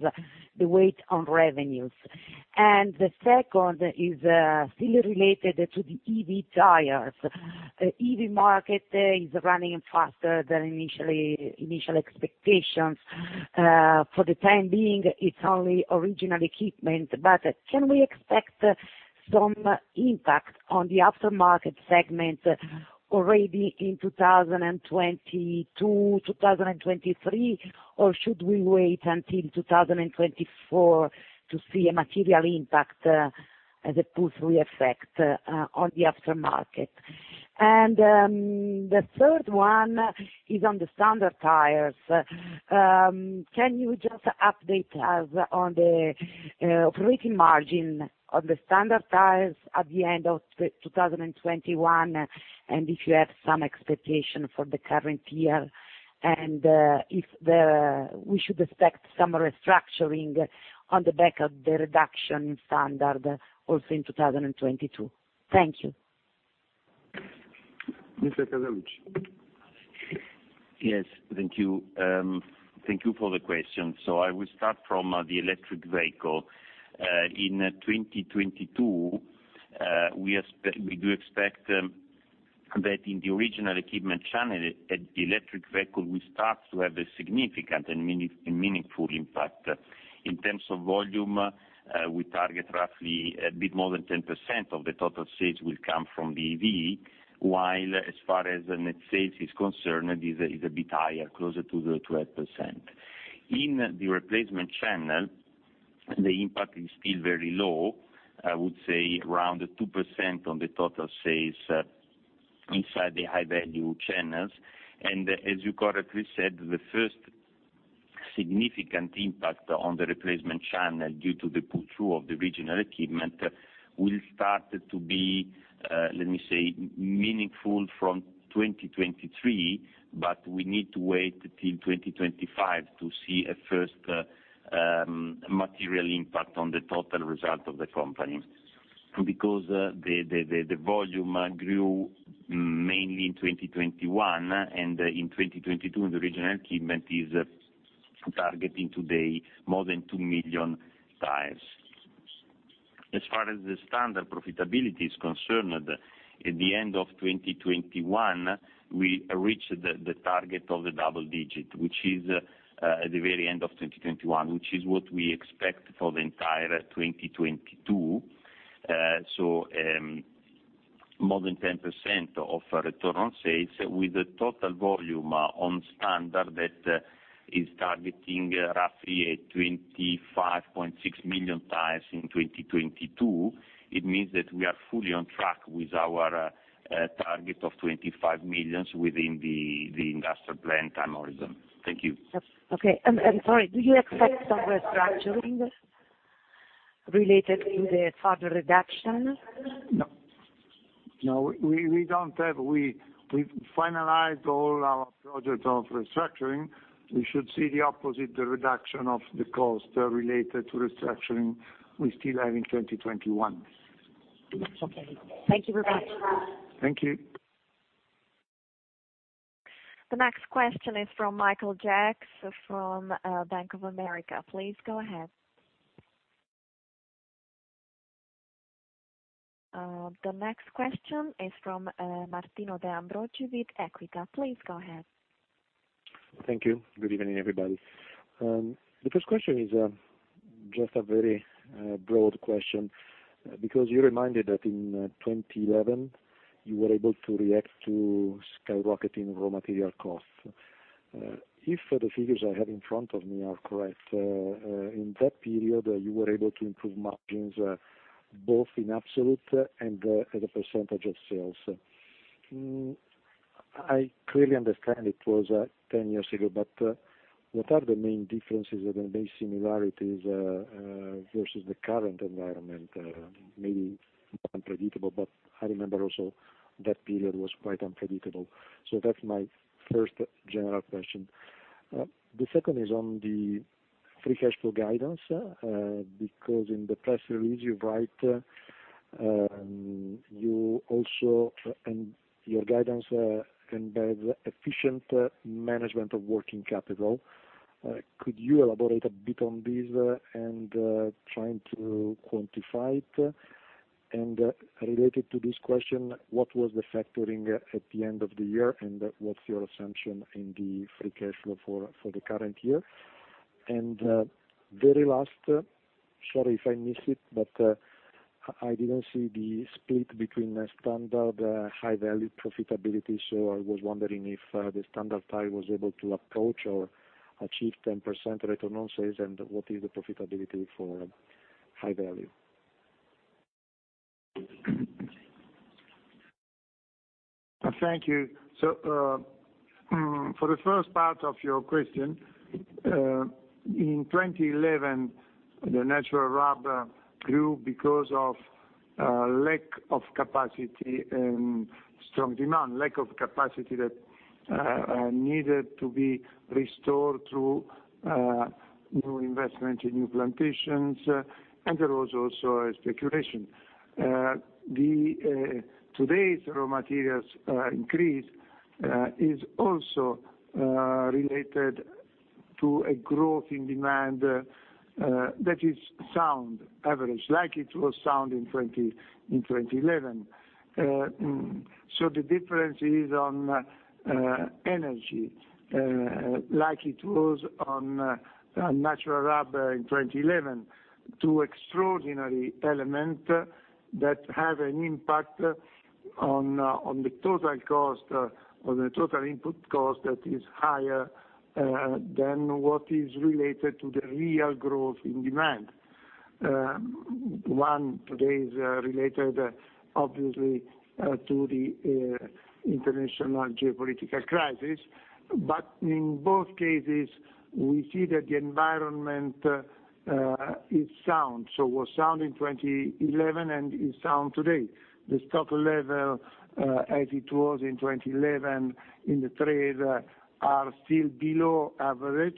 the weight on revenues. The second is still related to the EV tires. EV market is running faster than initial expectations. For the time being, it's only original equipment, but can we expect some impact on the aftermarket segment already in 2022, 2023? Or should we wait until 2024 to see a material impact, as a pull-through effect, on the aftermarket? The third one is on the standard tires. Can you just update us on the operating margin on the standard tires at the end of 2021, and if you have some expectation for the current year, and if we should expect some restructuring on the back of the reduction in standard also in 2022? Thank you. Mr. Casaluci. Yes, thank you. Thank you for the question. I will start from the electric vehicle. In 2022, we do expect that in the original equipment channel, electric vehicle will start to have a significant and meaningful impact. In terms of volume, we target roughly a bit more than 10% of the total sales will come from the EV, while as far as net sales is concerned, it is a bit higher, closer to the 12%. In the replacement channel, the impact is still very low, I would say around 2% on the total sales inside the high value channels. As you correctly said, the first significant impact on the replacement channel due to the pull-through of the original equipment will start to be, let me say, meaningful from 2023, but we need to wait till 2025 to see a first, material impact on the total result of the company. Because the volume grew mainly in 2021, and in 2022, the original equipment is targeting today more than two million tires. As far as the standard profitability is concerned, at the end of 2021, we reached the target of the double digit, which is at the very end of 2021, which is what we expect for the entire 2022. More than 10% return on sales with a total volume on standard that is targeting roughly 25.6 million tires in 2022. It means that we are fully on track with our target of 25 million within the Industrial Plan time horizon. Thank you. Okay. Sorry, do you expect some restructuring related to the further reduction? No, we've finalized all our projects of restructuring. We should see the opposite, the reduction of the cost related to restructuring we still have in 2021. Okay, thank you very much. Thank you. The next question is from Michael Jacks from Bank of America. Please go ahead. The next question is from Martino De Ambroggi with Equita. Please go ahead. Thank you. Good evening, everybody. The first question is just a very broad question, because you reminded that in 2011, you were able to react to skyrocketing raw material costs. If the figures I have in front of me are correct, in that period, you were able to improve margins both in absolute and as a percentage of sales. I clearly understand it was ten years ago, but what are the main differences or the main similarities versus the current environment? Maybe more unpredictable, but I remember also that period was quite unpredictable. That's my first general question. The second is on the free cash flow guidance, because in the press release you write you also and your guidance embed efficient management of working capital. Could you elaborate a bit on this and trying to quantify it? Related to this question, what was the factoring at the end of the year, and what's your assumption in the free cash flow for the current year? Very last, sorry if I miss it, but I didn't see the split between the standard high value profitability. So I was wondering if the standard tire was able to approach or achieve 10% return on sales, and what is the profitability for high value? Thank you. For the first part of your question, in 2011, the natural rubber grew because of lack of capacity and strong demand, lack of capacity that needed to be restored through new investment in new plantations, and there was also a speculation. Today's raw materials increase is also related to a growth in demand that is sound, average, like it was sound in 2011. The difference is on energy, like it was on natural rubber in 2011. Two extraordinary elements that have an impact on the total cost, on the total input cost that is higher than what is related to the real growth in demand. One today is related obviously to the international geopolitical crisis, but in both cases, we see that the environment is sound. It was sound in 2011 and is sound today. The stock level as it was in 2011 in the trade are still below average,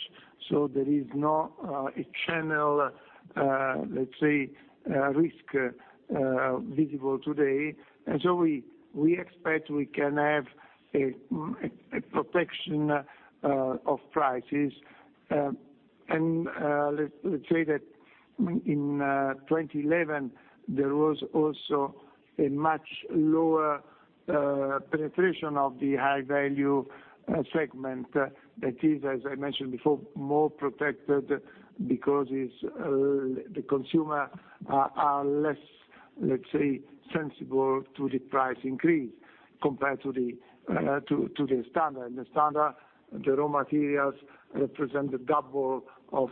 so there is no exceptional, let's say, risk visible today. We expect we can have a protection of prices. Let's say that in 2011, there was also a much lower penetration of the high value segment. That is, as I mentioned before, more protected because it's the consumer are less, let's say, sensible to the price increase compared to the to the standard. The standard raw materials represent double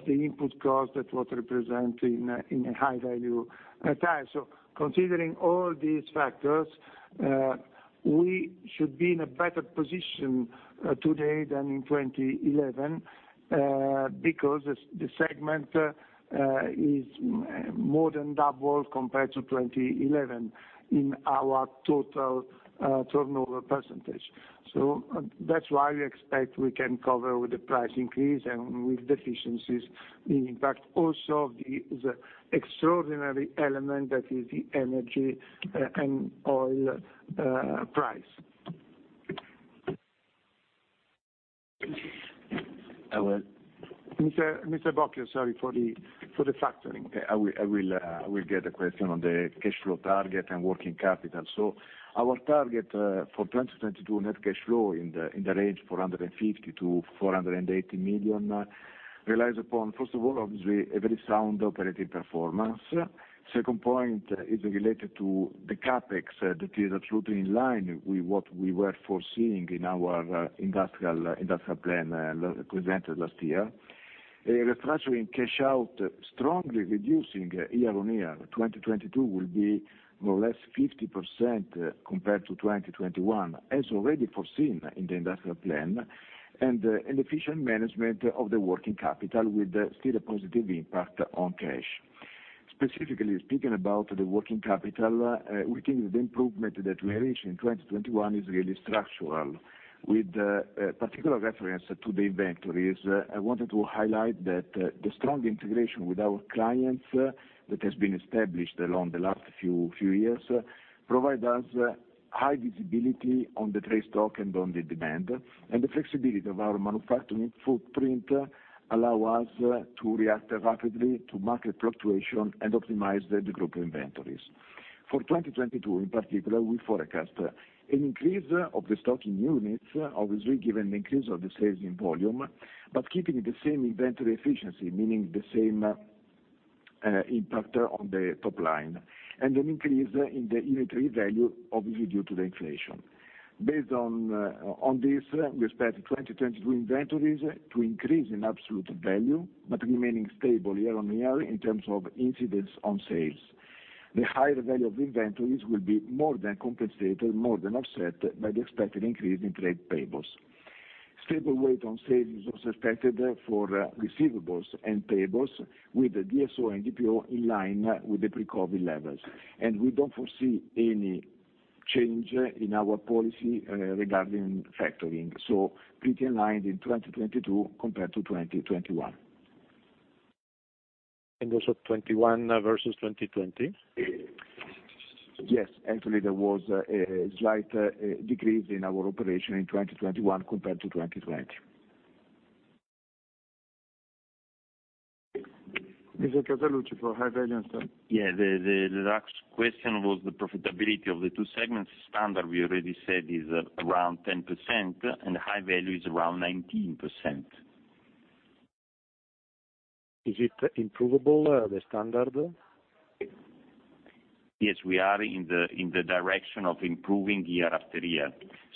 the input cost that was representing in a high-value tire. Considering all these factors, we should be in a better position today than in 2011 because the segment is more than double compared to 2011 in our total turnover percentage. That's why we expect we can cover with the price increase and with efficiencies, in impact also the extraordinary element that is the energy and oil price. I will- Mr. Bocchio, sorry for the factoring. I will get a question on the cash flow target and working capital. Our target for 2022 net cash flow in the range 450 million-480 million. Relies upon, first of all, obviously, a very sound operating performance. Second point is related to the CapEx that is absolutely in line with what we were foreseeing in our industrial plan presented last year. A restructuring cash out, strongly reducing year-on-year. 2022 will be more or less 50% compared to 2021, as already foreseen in the industrial plan, and an efficient management of the working capital with still a positive impact on cash. Specifically speaking about the working capital, we think the improvement that we reached in 2021 is really structural. With particular reference to the inventories, I wanted to highlight that the strong integration with our clients that has been established along the last few years provides us high visibility on the trade stock and on the demand. The flexibility of our manufacturing footprint allow us to react rapidly to market fluctuation and optimize the group inventories. For 2022, in particular, we forecast an increase of the stock in units, obviously, given the increase of the sales in volume, but keeping the same inventory efficiency, meaning the same impact on the top line, and an increase in the inventory value, obviously, due to the inflation. Based on this, we expect 2022 inventories to increase in absolute value, but remaining stable year-on-year in terms of incidence on sales. The higher value of inventories will be more than compensated, more than offset, by the expected increase in trade payables. Stable weight on sales is also expected for receivables and payables with the DSO and DPO in line with the pre-COVID levels. We don't foresee any change in our policy regarding factoring. Pretty aligned in 2022 compared to 2021. 21 versus 2020? Yes. Actually, there was a slight decrease in our operation in 2021 compared to 2020. Mr. Casaluci for high value and stuff? The last question was the profitability of the two segments. Standard, we already said, is around 10%, and High Value is around 19%. Is it improvable, the standard? Yes, we are in the direction of improving year after year.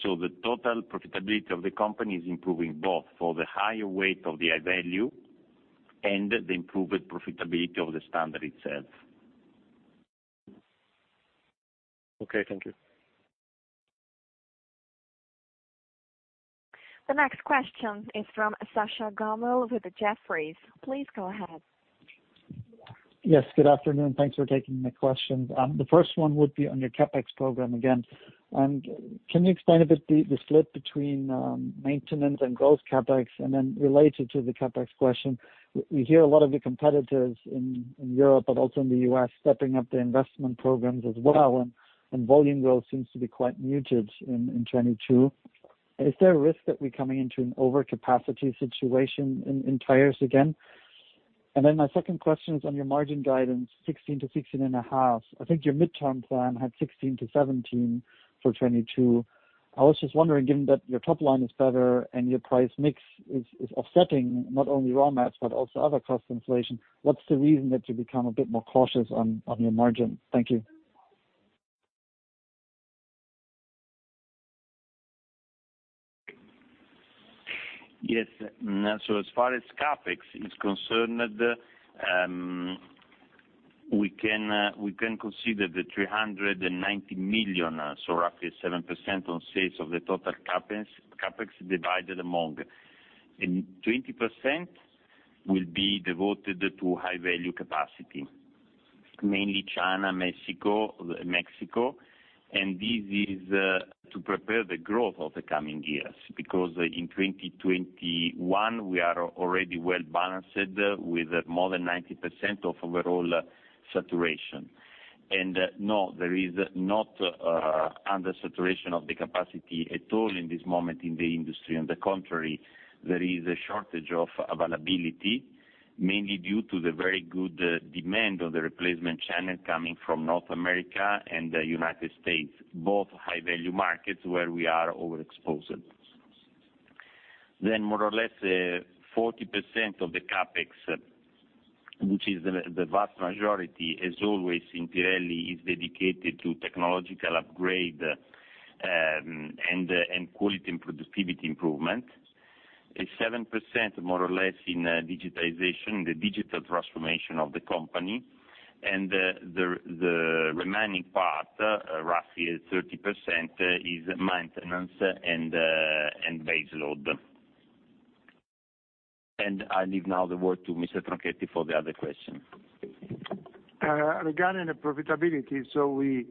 The total profitability of the company is improving both for the higher weight of the high value and the improved profitability of the standard itself. Okay, thank you. The next question is from Sascha Gommel with Jefferies. Please go ahead. Yes, good afternoon. Thanks for taking the questions. The first one would be on your CapEx program again. Can you explain a bit the split between maintenance and growth CapEx? Related to the CapEx question, we hear a lot of your competitors in Europe, but also in the U.S., stepping up their investment programs as well, and volume growth seems to be quite muted in 2022. Is there a risk that we're coming into an overcapacity situation in tires again? My second question is on your margin guidance, 16%-16.5%. I think your midterm plan had 16%-17% for 2022. I was just wondering, given that your top line is better and your price mix is offsetting not only raw mats, but also other cost inflation, what's the reason that you become a bit more cautious on your margin? Thank you. Yes. As far as CapEx is concerned, we can consider 390 million, so roughly 7% on sales of the total CapEx divided among. Twenty percent will be devoted to high value capacity, mainly China, Mexico. This is to prepare the growth of the coming years. Because in 2021, we are already well balanced with more than 90% of overall saturation. No, there is not under saturation of the capacity at all in this moment in the industry. On the contrary, there is a shortage of availability, mainly due to the very good demand on the replacement channel coming from North America and the United States, both high value markets where we are overexposed. More or less, 40% of the CapEx, which is the vast majority, as always in Pirelli, is dedicated to technological upgrade, and quality and productivity improvement. 7% more or less in digitization, the digital transformation of the company. The remaining part, roughly 30%, is maintenance and baseload. I leave now the word to Mr. Tronchetti for the other question. Regarding the profitability, we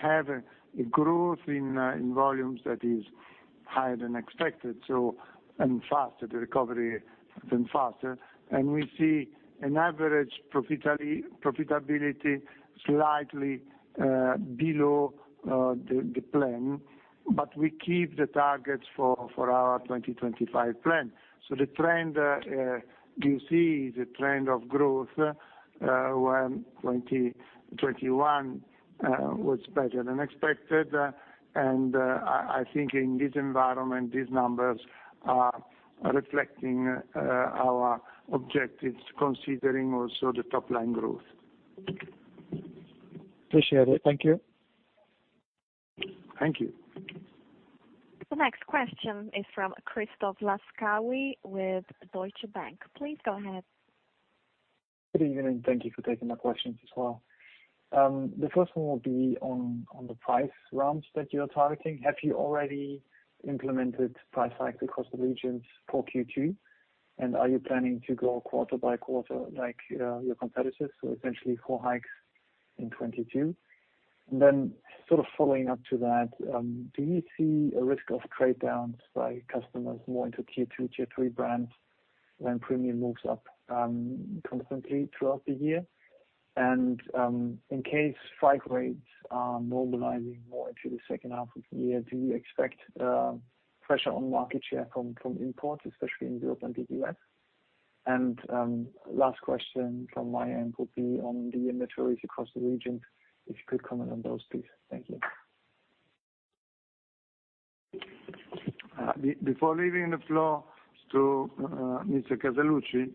have a growth in volumes that is higher than expected and faster, the recovery even faster. We see an average profitability slightly below the plan, but we keep the targets for our 2025 plan. The trend you see of growth where 2021 was better than expected. I think in this environment, these numbers are reflecting our objectives, considering also the top line growth. Appreciate it. Thank you. Thank you. The next question is from Christoph Laskawi with Deutsche Bank. Please go ahead. Good evening, thank you for taking my questions as well. The first one will be on the price ramps that you are targeting. Have you already implemented price hike across the regions for Q2, and are you planning to go quarter by quarter like your competitors, so essentially four hikes in 2022? Sort of following up to that, do you see a risk of trade downs by customers more into tier two, tier three brands when premium moves up constantly throughout the year? In case spike rates are normalizing more into the second half of the year, do you expect pressure on market share from imports, especially in Europe and the U.S.? Last question from my end would be on the inventories across the region, if you could comment on those, please. Thank you. Before leaving the floor to Mr. Casaluci,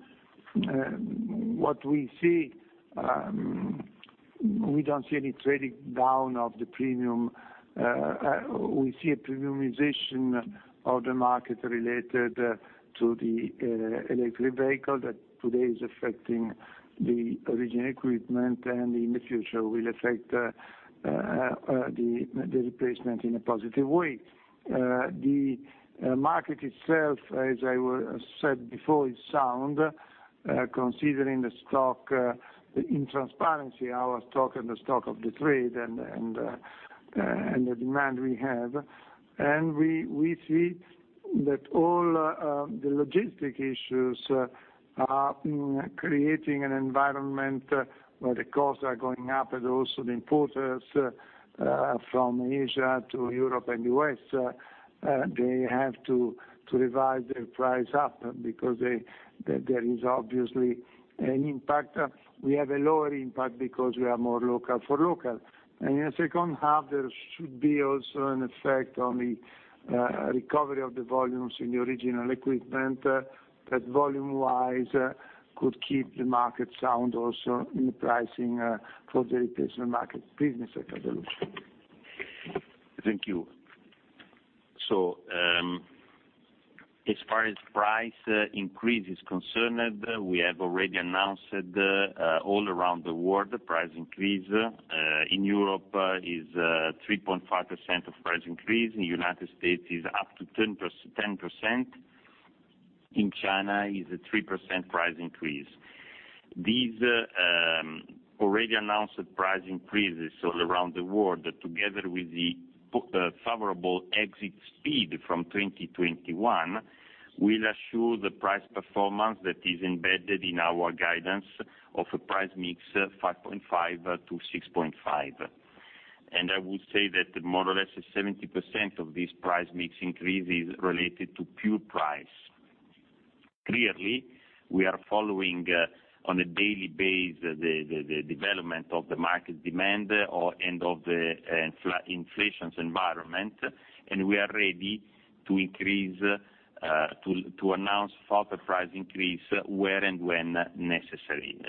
what we see, we don't see any trading down of the premium. We see a premiumization of the market related to the electric vehicle that today is affecting the original equipment and in the future will affect the replacement in a positive way. The market itself, as I said before, is sound, considering the stock in transparency, our stock and the stock of the trade and the demand we have. We see that all the logistic issues are creating an environment where the costs are going up, and also the importers from Asia to Europe and the U.S. have to revise their price up because there is obviously an impact. We have a lower impact because we are more local for local. In the second half, there should be also an effect on the recovery of the volumes in the original equipment that volume-wise could keep the market sound also in the pricing for the replacement market. Please, Mr. Casaluci. Thank you. As far as price increase is concerned, we have already announced all around the world price increase. In Europe is 3.5% of price increase. In United States is up to 10%. In China is a 3% price increase. These already announced price increases all around the world, together with the favorable exit speed from 2021, will assure the price performance that is embedded in our guidance of a price mix 5.5%-6.5%. I would say that more or less 70% of this price mix increase is related to pure price. Clearly, we are following on a daily basis the development of the market demand and of the inflation environment, and we are ready to announce further price increase where and when necessary.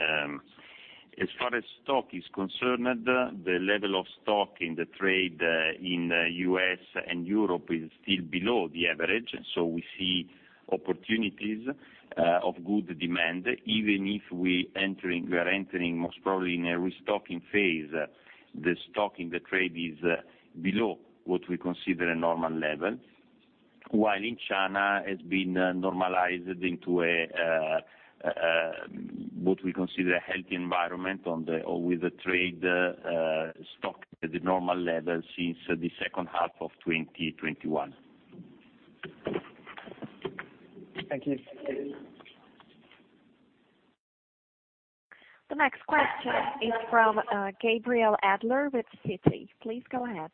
As far as stock is concerned, the level of stock in the trade in U.S. and Europe is still below the average, so we see opportunities of good demand. Even if we are entering most probably in a restocking phase, the stock in the trade is below what we consider a normal level. While in China, it's been normalized into a what we consider a healthy environment or with the trade stock at the normal level since the second half of 2021. Thank you. The next question is from Gabriele Adler with Citi. Please go ahead.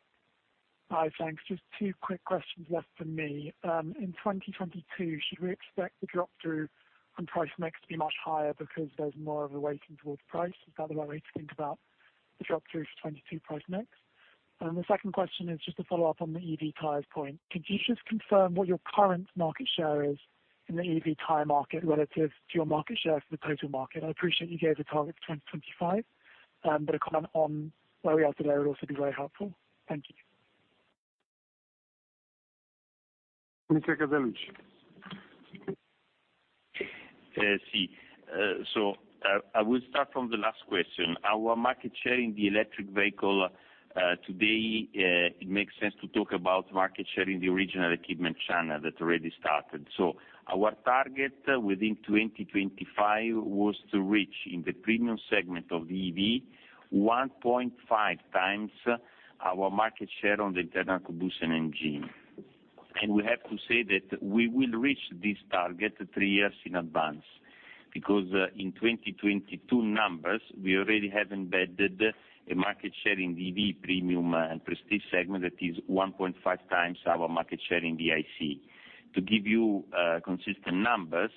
Hi, thanks. Just two quick questions left from me. In 2022, should we expect the drop-through from price mix to be much higher because there's more of a weighting towards price? Is that the right way to think about the drop-through for 2022 price mix? The second question is just a follow-up on the EV tires point. Could you just confirm what your current market share is in the EV tire market relative to your market share for the total market? I appreciate you gave a target for 2025, but a comment on where we are today would also be very helpful. Thank you. Mr. Casaluci. I will start from the last question. Our market share in the electric vehicle, today, it makes sense to talk about market share in the original equipment channel that already started. Our target within 2025 was to reach in the premium segment of the EV 1.5x our market share on the internal combustion engine. We have to say that we will reach this target three years in advance, because, in 2022 numbers, we already have embedded a market share in the EV premium and prestige segment that is 1.5x our market share in the IC. To give you consistent numbers,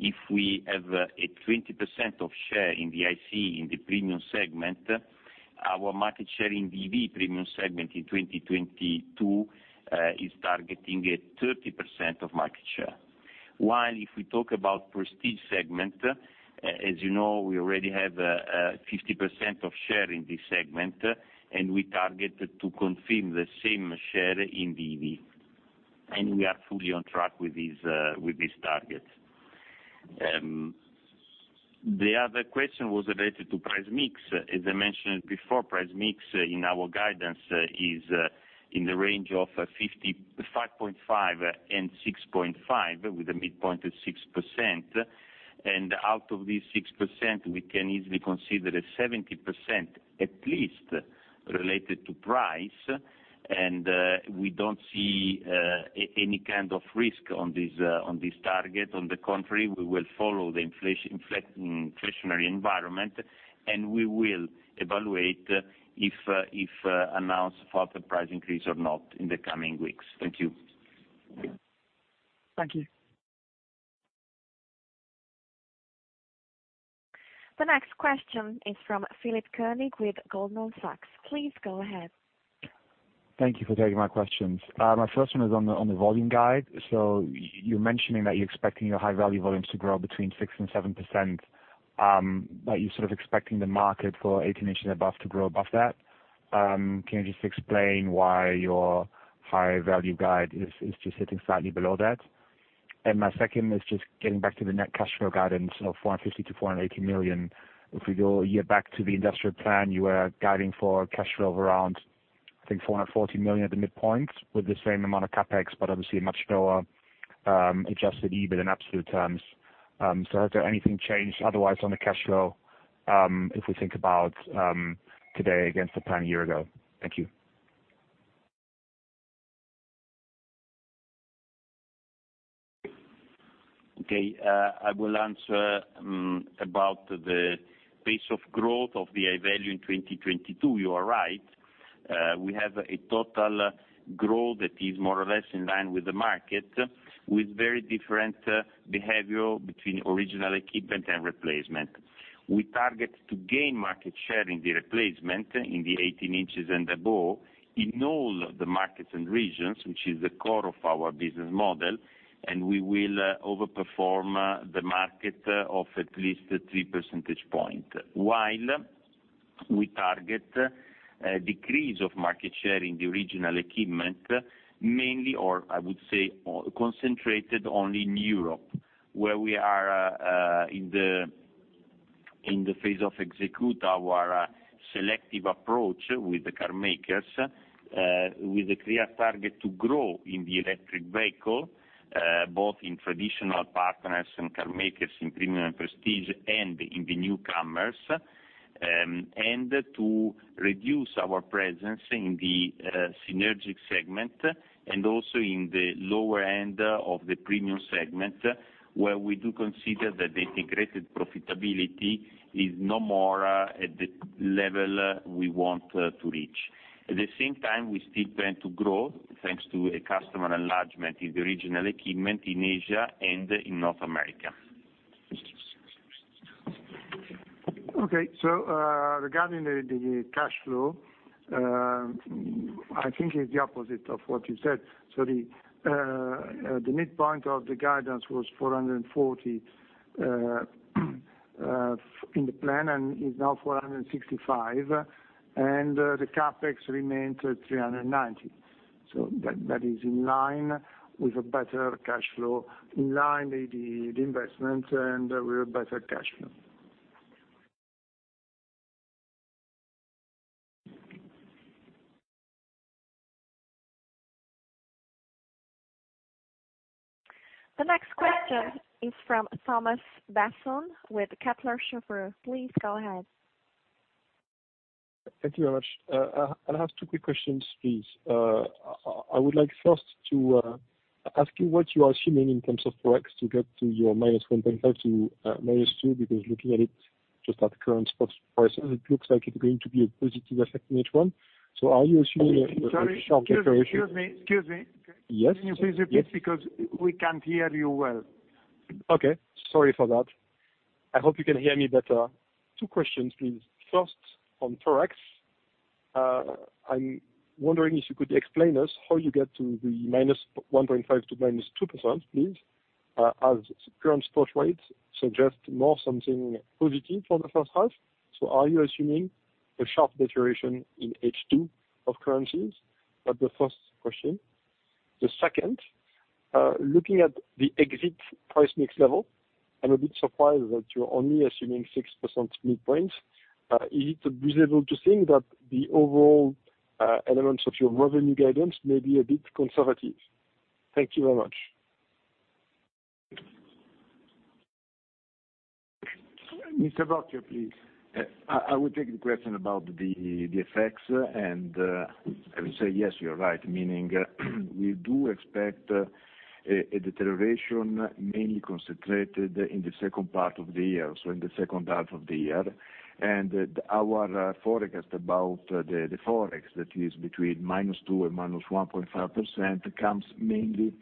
if we have a 20% share in the ICE in the premium segment. Our market share in EV premium segment in 2022 is targeting at 30% market share. While if we talk about prestige segment, as you know, we already have 50% share in this segment, and we target to confirm the same share in EV. We are fully on track with this target. The other question was related to price mix. As I mentioned before, price mix in our guidance is in the range of 5.5%-6.5%, with a midpoint of 6%. Out of this 6%, we can easily consider that 70%, at least, related to price. We don't see any kind of risk on this target. On the contrary, we will follow the inflationary environment, and we will evaluate if announce further price increase or not in the coming weeks. Thank you. Thank you. The next question is from Philipp König with Goldman Sachs. Please go ahead. Thank you for taking my questions. My first one is on the volume guide. You're mentioning that you're expecting your high value volumes to grow between 6%-7%, that you're sort of expecting the market for 18 inches and above to grow above that. Can you just explain why your higher value guide is just sitting slightly below that? My second is just getting back to the net cash flow guidance of 450 million-480 million. If we go a year back to the industrial plan, you were guiding for cash flow of around, I think, 440 million at the midpoint, with the same amount of CapEx, but obviously a much lower adjusted EBIT in absolute terms. Has there anything changed otherwise on the cash flow, if we think about today against the plan a year ago? Thank you. Okay. I will answer about the pace of growth of the high value in 2022. You are right. We have a total growth that is more or less in line with the market, with very different behavior between original equipment and replacement. We target to gain market share in the replacement in the 18 inches and above in all the markets and regions, which is the core of our business model, and we will overperform the market by at least 3 percentage points. While we target a decrease of market share in the original equipment, mainly, or I would say, or concentrated only in Europe, where we are in the phase of execute our selective approach with the carmakers, with a clear target to grow in the electric vehicle, both in traditional partners and carmakers in premium and prestige and in the newcomers, and to reduce our presence in the synergic segment and also in the lower end of the premium segment, where we do consider that the integrated profitability is no more at the level we want to reach. At the same time, we still plan to grow, thanks to a customer enlargement in the original equipment in Asia and in North America. Regarding the cash flow, I think it's the opposite of what you said. The midpoint of the guidance was 440 in the plan, and is now 465, and the CapEx remains at 390. That is in line with a better cash flow, in line with the investment, and with a better cash flow. The next question is from Thomas Besson with Kepler Cheuvreux. Please go ahead. Thank you very much. I'll have two quick questions, please. I would like first to ask you what you are assuming in terms of Forex to get to your -1.5% to -2%, because looking at it just at current spot prices, it looks like it's going to be a positive effect in H1. Are you assuming a sharp deterioration- Sorry. Excuse me. Yes. Can you please repeat, because we can't hear you well. Okay. Sorry for that. I hope you can hear me better. Two questions, please. First, on Forex, I'm wondering if you could explain us how you get to the -1.5% to -2%, please, as current spot rates suggest more something positive for the first half. Are you assuming a sharp deterioration in H2 of currencies? That's the first question. The second, looking at the FX price mix level, I'm a bit surprised that you're only assuming 6% midpoint. Is it reasonable to think that the overall elements of your revenue guidance may be a bit conservative? Thank you very much. Mr. Bocchio, please. I will take the question about the effects, and I will say, yes, you are right, meaning we do expect a deterioration mainly concentrated in the second part of the year, so in the second half of the year. Our forecast about the Forex, that is between -2% and -1.5%, comes mainly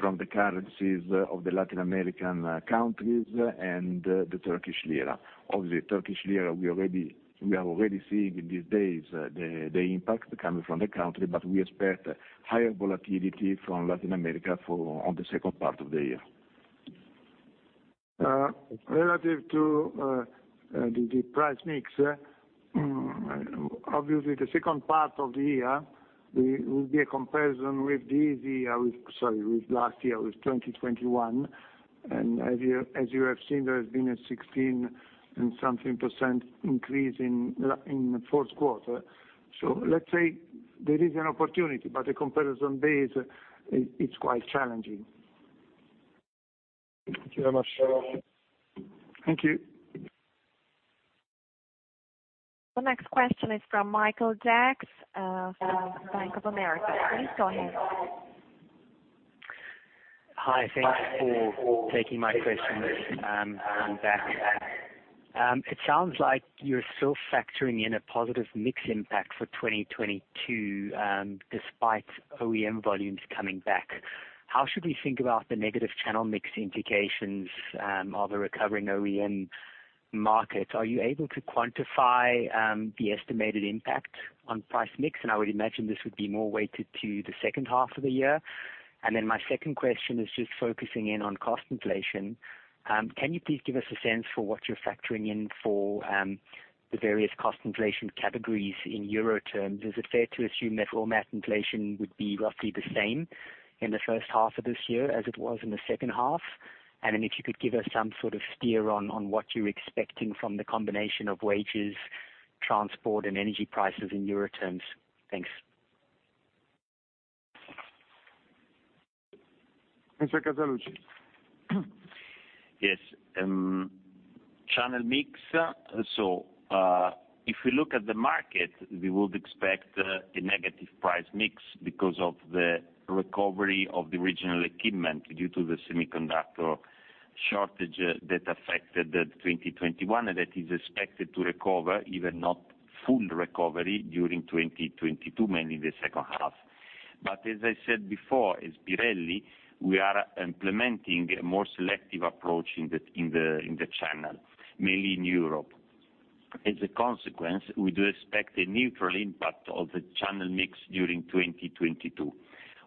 from the currencies of the Latin American countries and the Turkish lira. Obviously, Turkish lira, we are already seeing in these days the impact coming from the country, but we expect higher volatility from Latin America on the second part of the year. Relative to the price mix, obviously the second part of the year, we will be a comparison with this year. Sorry, with last year, with 2021. As you have seen, there has been a 16% and something increase in the fourth quarter. Let's say there is an opportunity, but the comparison base is quite challenging. Thank you very much. Thank you. The next question is from Michael Jacks, from Bank of America. Please go ahead. Hi. Thanks for taking my questions on that. It sounds like you're still factoring in a positive mix impact for 2022, despite OEM volumes coming back. How should we think about the negative channel mix implications of a recovering OEM market? Are you able to quantify the estimated impact on price mix? I would imagine this would be more weighted to the second half of the year. My second question is just focusing in on cost inflation. Can you please give us a sense for what you're factoring in for the various cost inflation categories in euro terms? Is it fair to assume that raw mat inflation would be roughly the same in the first half of this year as it was in the second half? If you could give us some sort of steer on what you're expecting from the combination of wages, transport, and energy prices in euro terms. Thanks. Mr. Casaluci. Yes. Channel mix. If we look at the market, we would expect a negative price mix because of the recovery of the original equipment due to the semiconductor shortage that affected 2021. That is expected to recover, even not full recovery, during 2022, mainly the second half. As I said before, as Pirelli, we are implementing a more selective approach in the channel, mainly in Europe. As a consequence, we do expect a neutral impact of the channel mix during 2022,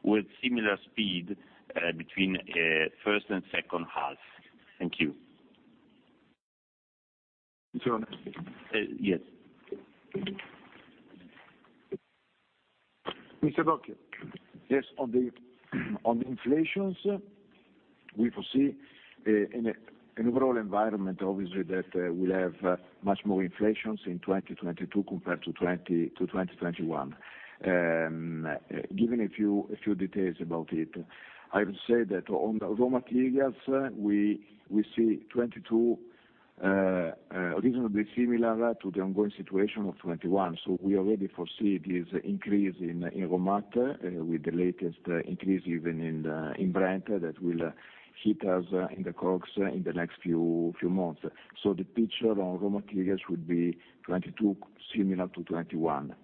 with similar speed between first and second half. Thank you. It's on. Yes. Mr. Bocchio. Yes. On the inflation, we foresee an overall environment, obviously, that will have much more inflation in 2022 compared to 2021. Giving a few details about it, I would say that on the raw materials, we see 2022 reasonably similar to the ongoing situation of 2021. So we already foresee this increase in raw materials with the latest increase even in Brent that will hit us in the COGS in the next few months. So the picture on raw materials would be 2022 similar to 2021.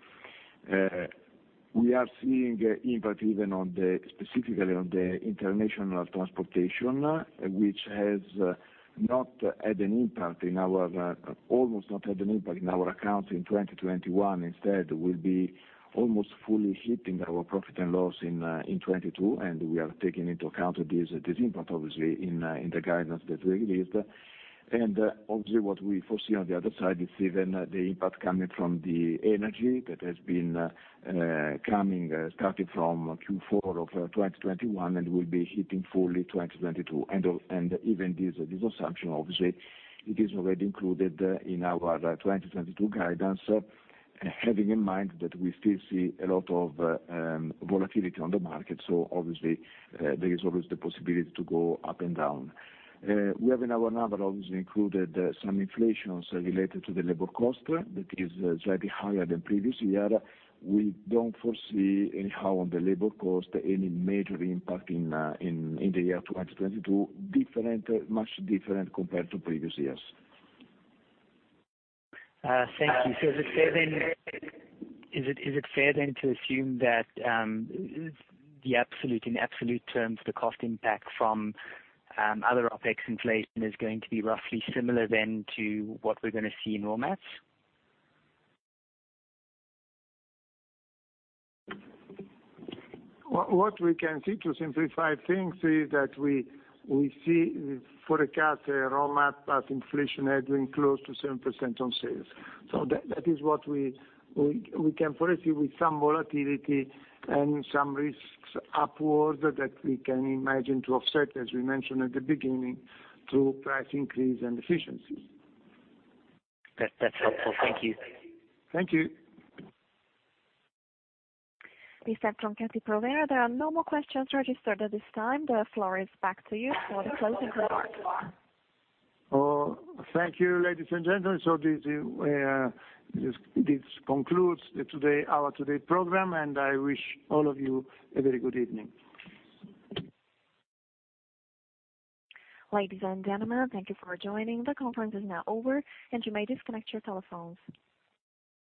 We are seeing impact even on specifically on the international transportation, which has almost not had an impact in our accounts in 2021. Instead, will be almost fully hitting our profit and loss in 2022, and we are taking into account this impact, obviously, in the guidance that we released. Obviously, what we foresee on the other side is even the impact coming from the energy that has been starting from Q4 of 2021 and will be hitting fully 2022. Even this assumption, obviously, it is already included in our 2022 guidance, having in mind that we still see a lot of volatility on the market. Obviously, there is always the possibility to go up and down. We have in our number obviously included some inflations related to the labor cost that is slightly higher than previous year. We don't foresee any major impact on the labor cost in 2022, much different compared to previous years. Thank you. Is it fair then to assume that, in absolute terms, the cost impact from other OpEx inflation is going to be roughly similar then to what we're going to see in raw mats? What we can see, to simplify things, is that we see forecast raw material inflation edging close to 7% on sales. That is what we can foresee with some volatility and some risks upward that we can imagine to offset, as we mentioned at the beginning, through price increase and efficiencies. That, that's helpful. Thank you. Thank you. This is from Conference Operator. There are no more questions registered at this time. The floor is back to you for the closing remarks. Oh, thank you, ladies and gentlemen. This concludes today's program, and I wish all of you a very good evening. Ladies and gentlemen, thank you for joining. The conference is now over, and you may disconnect your telephones.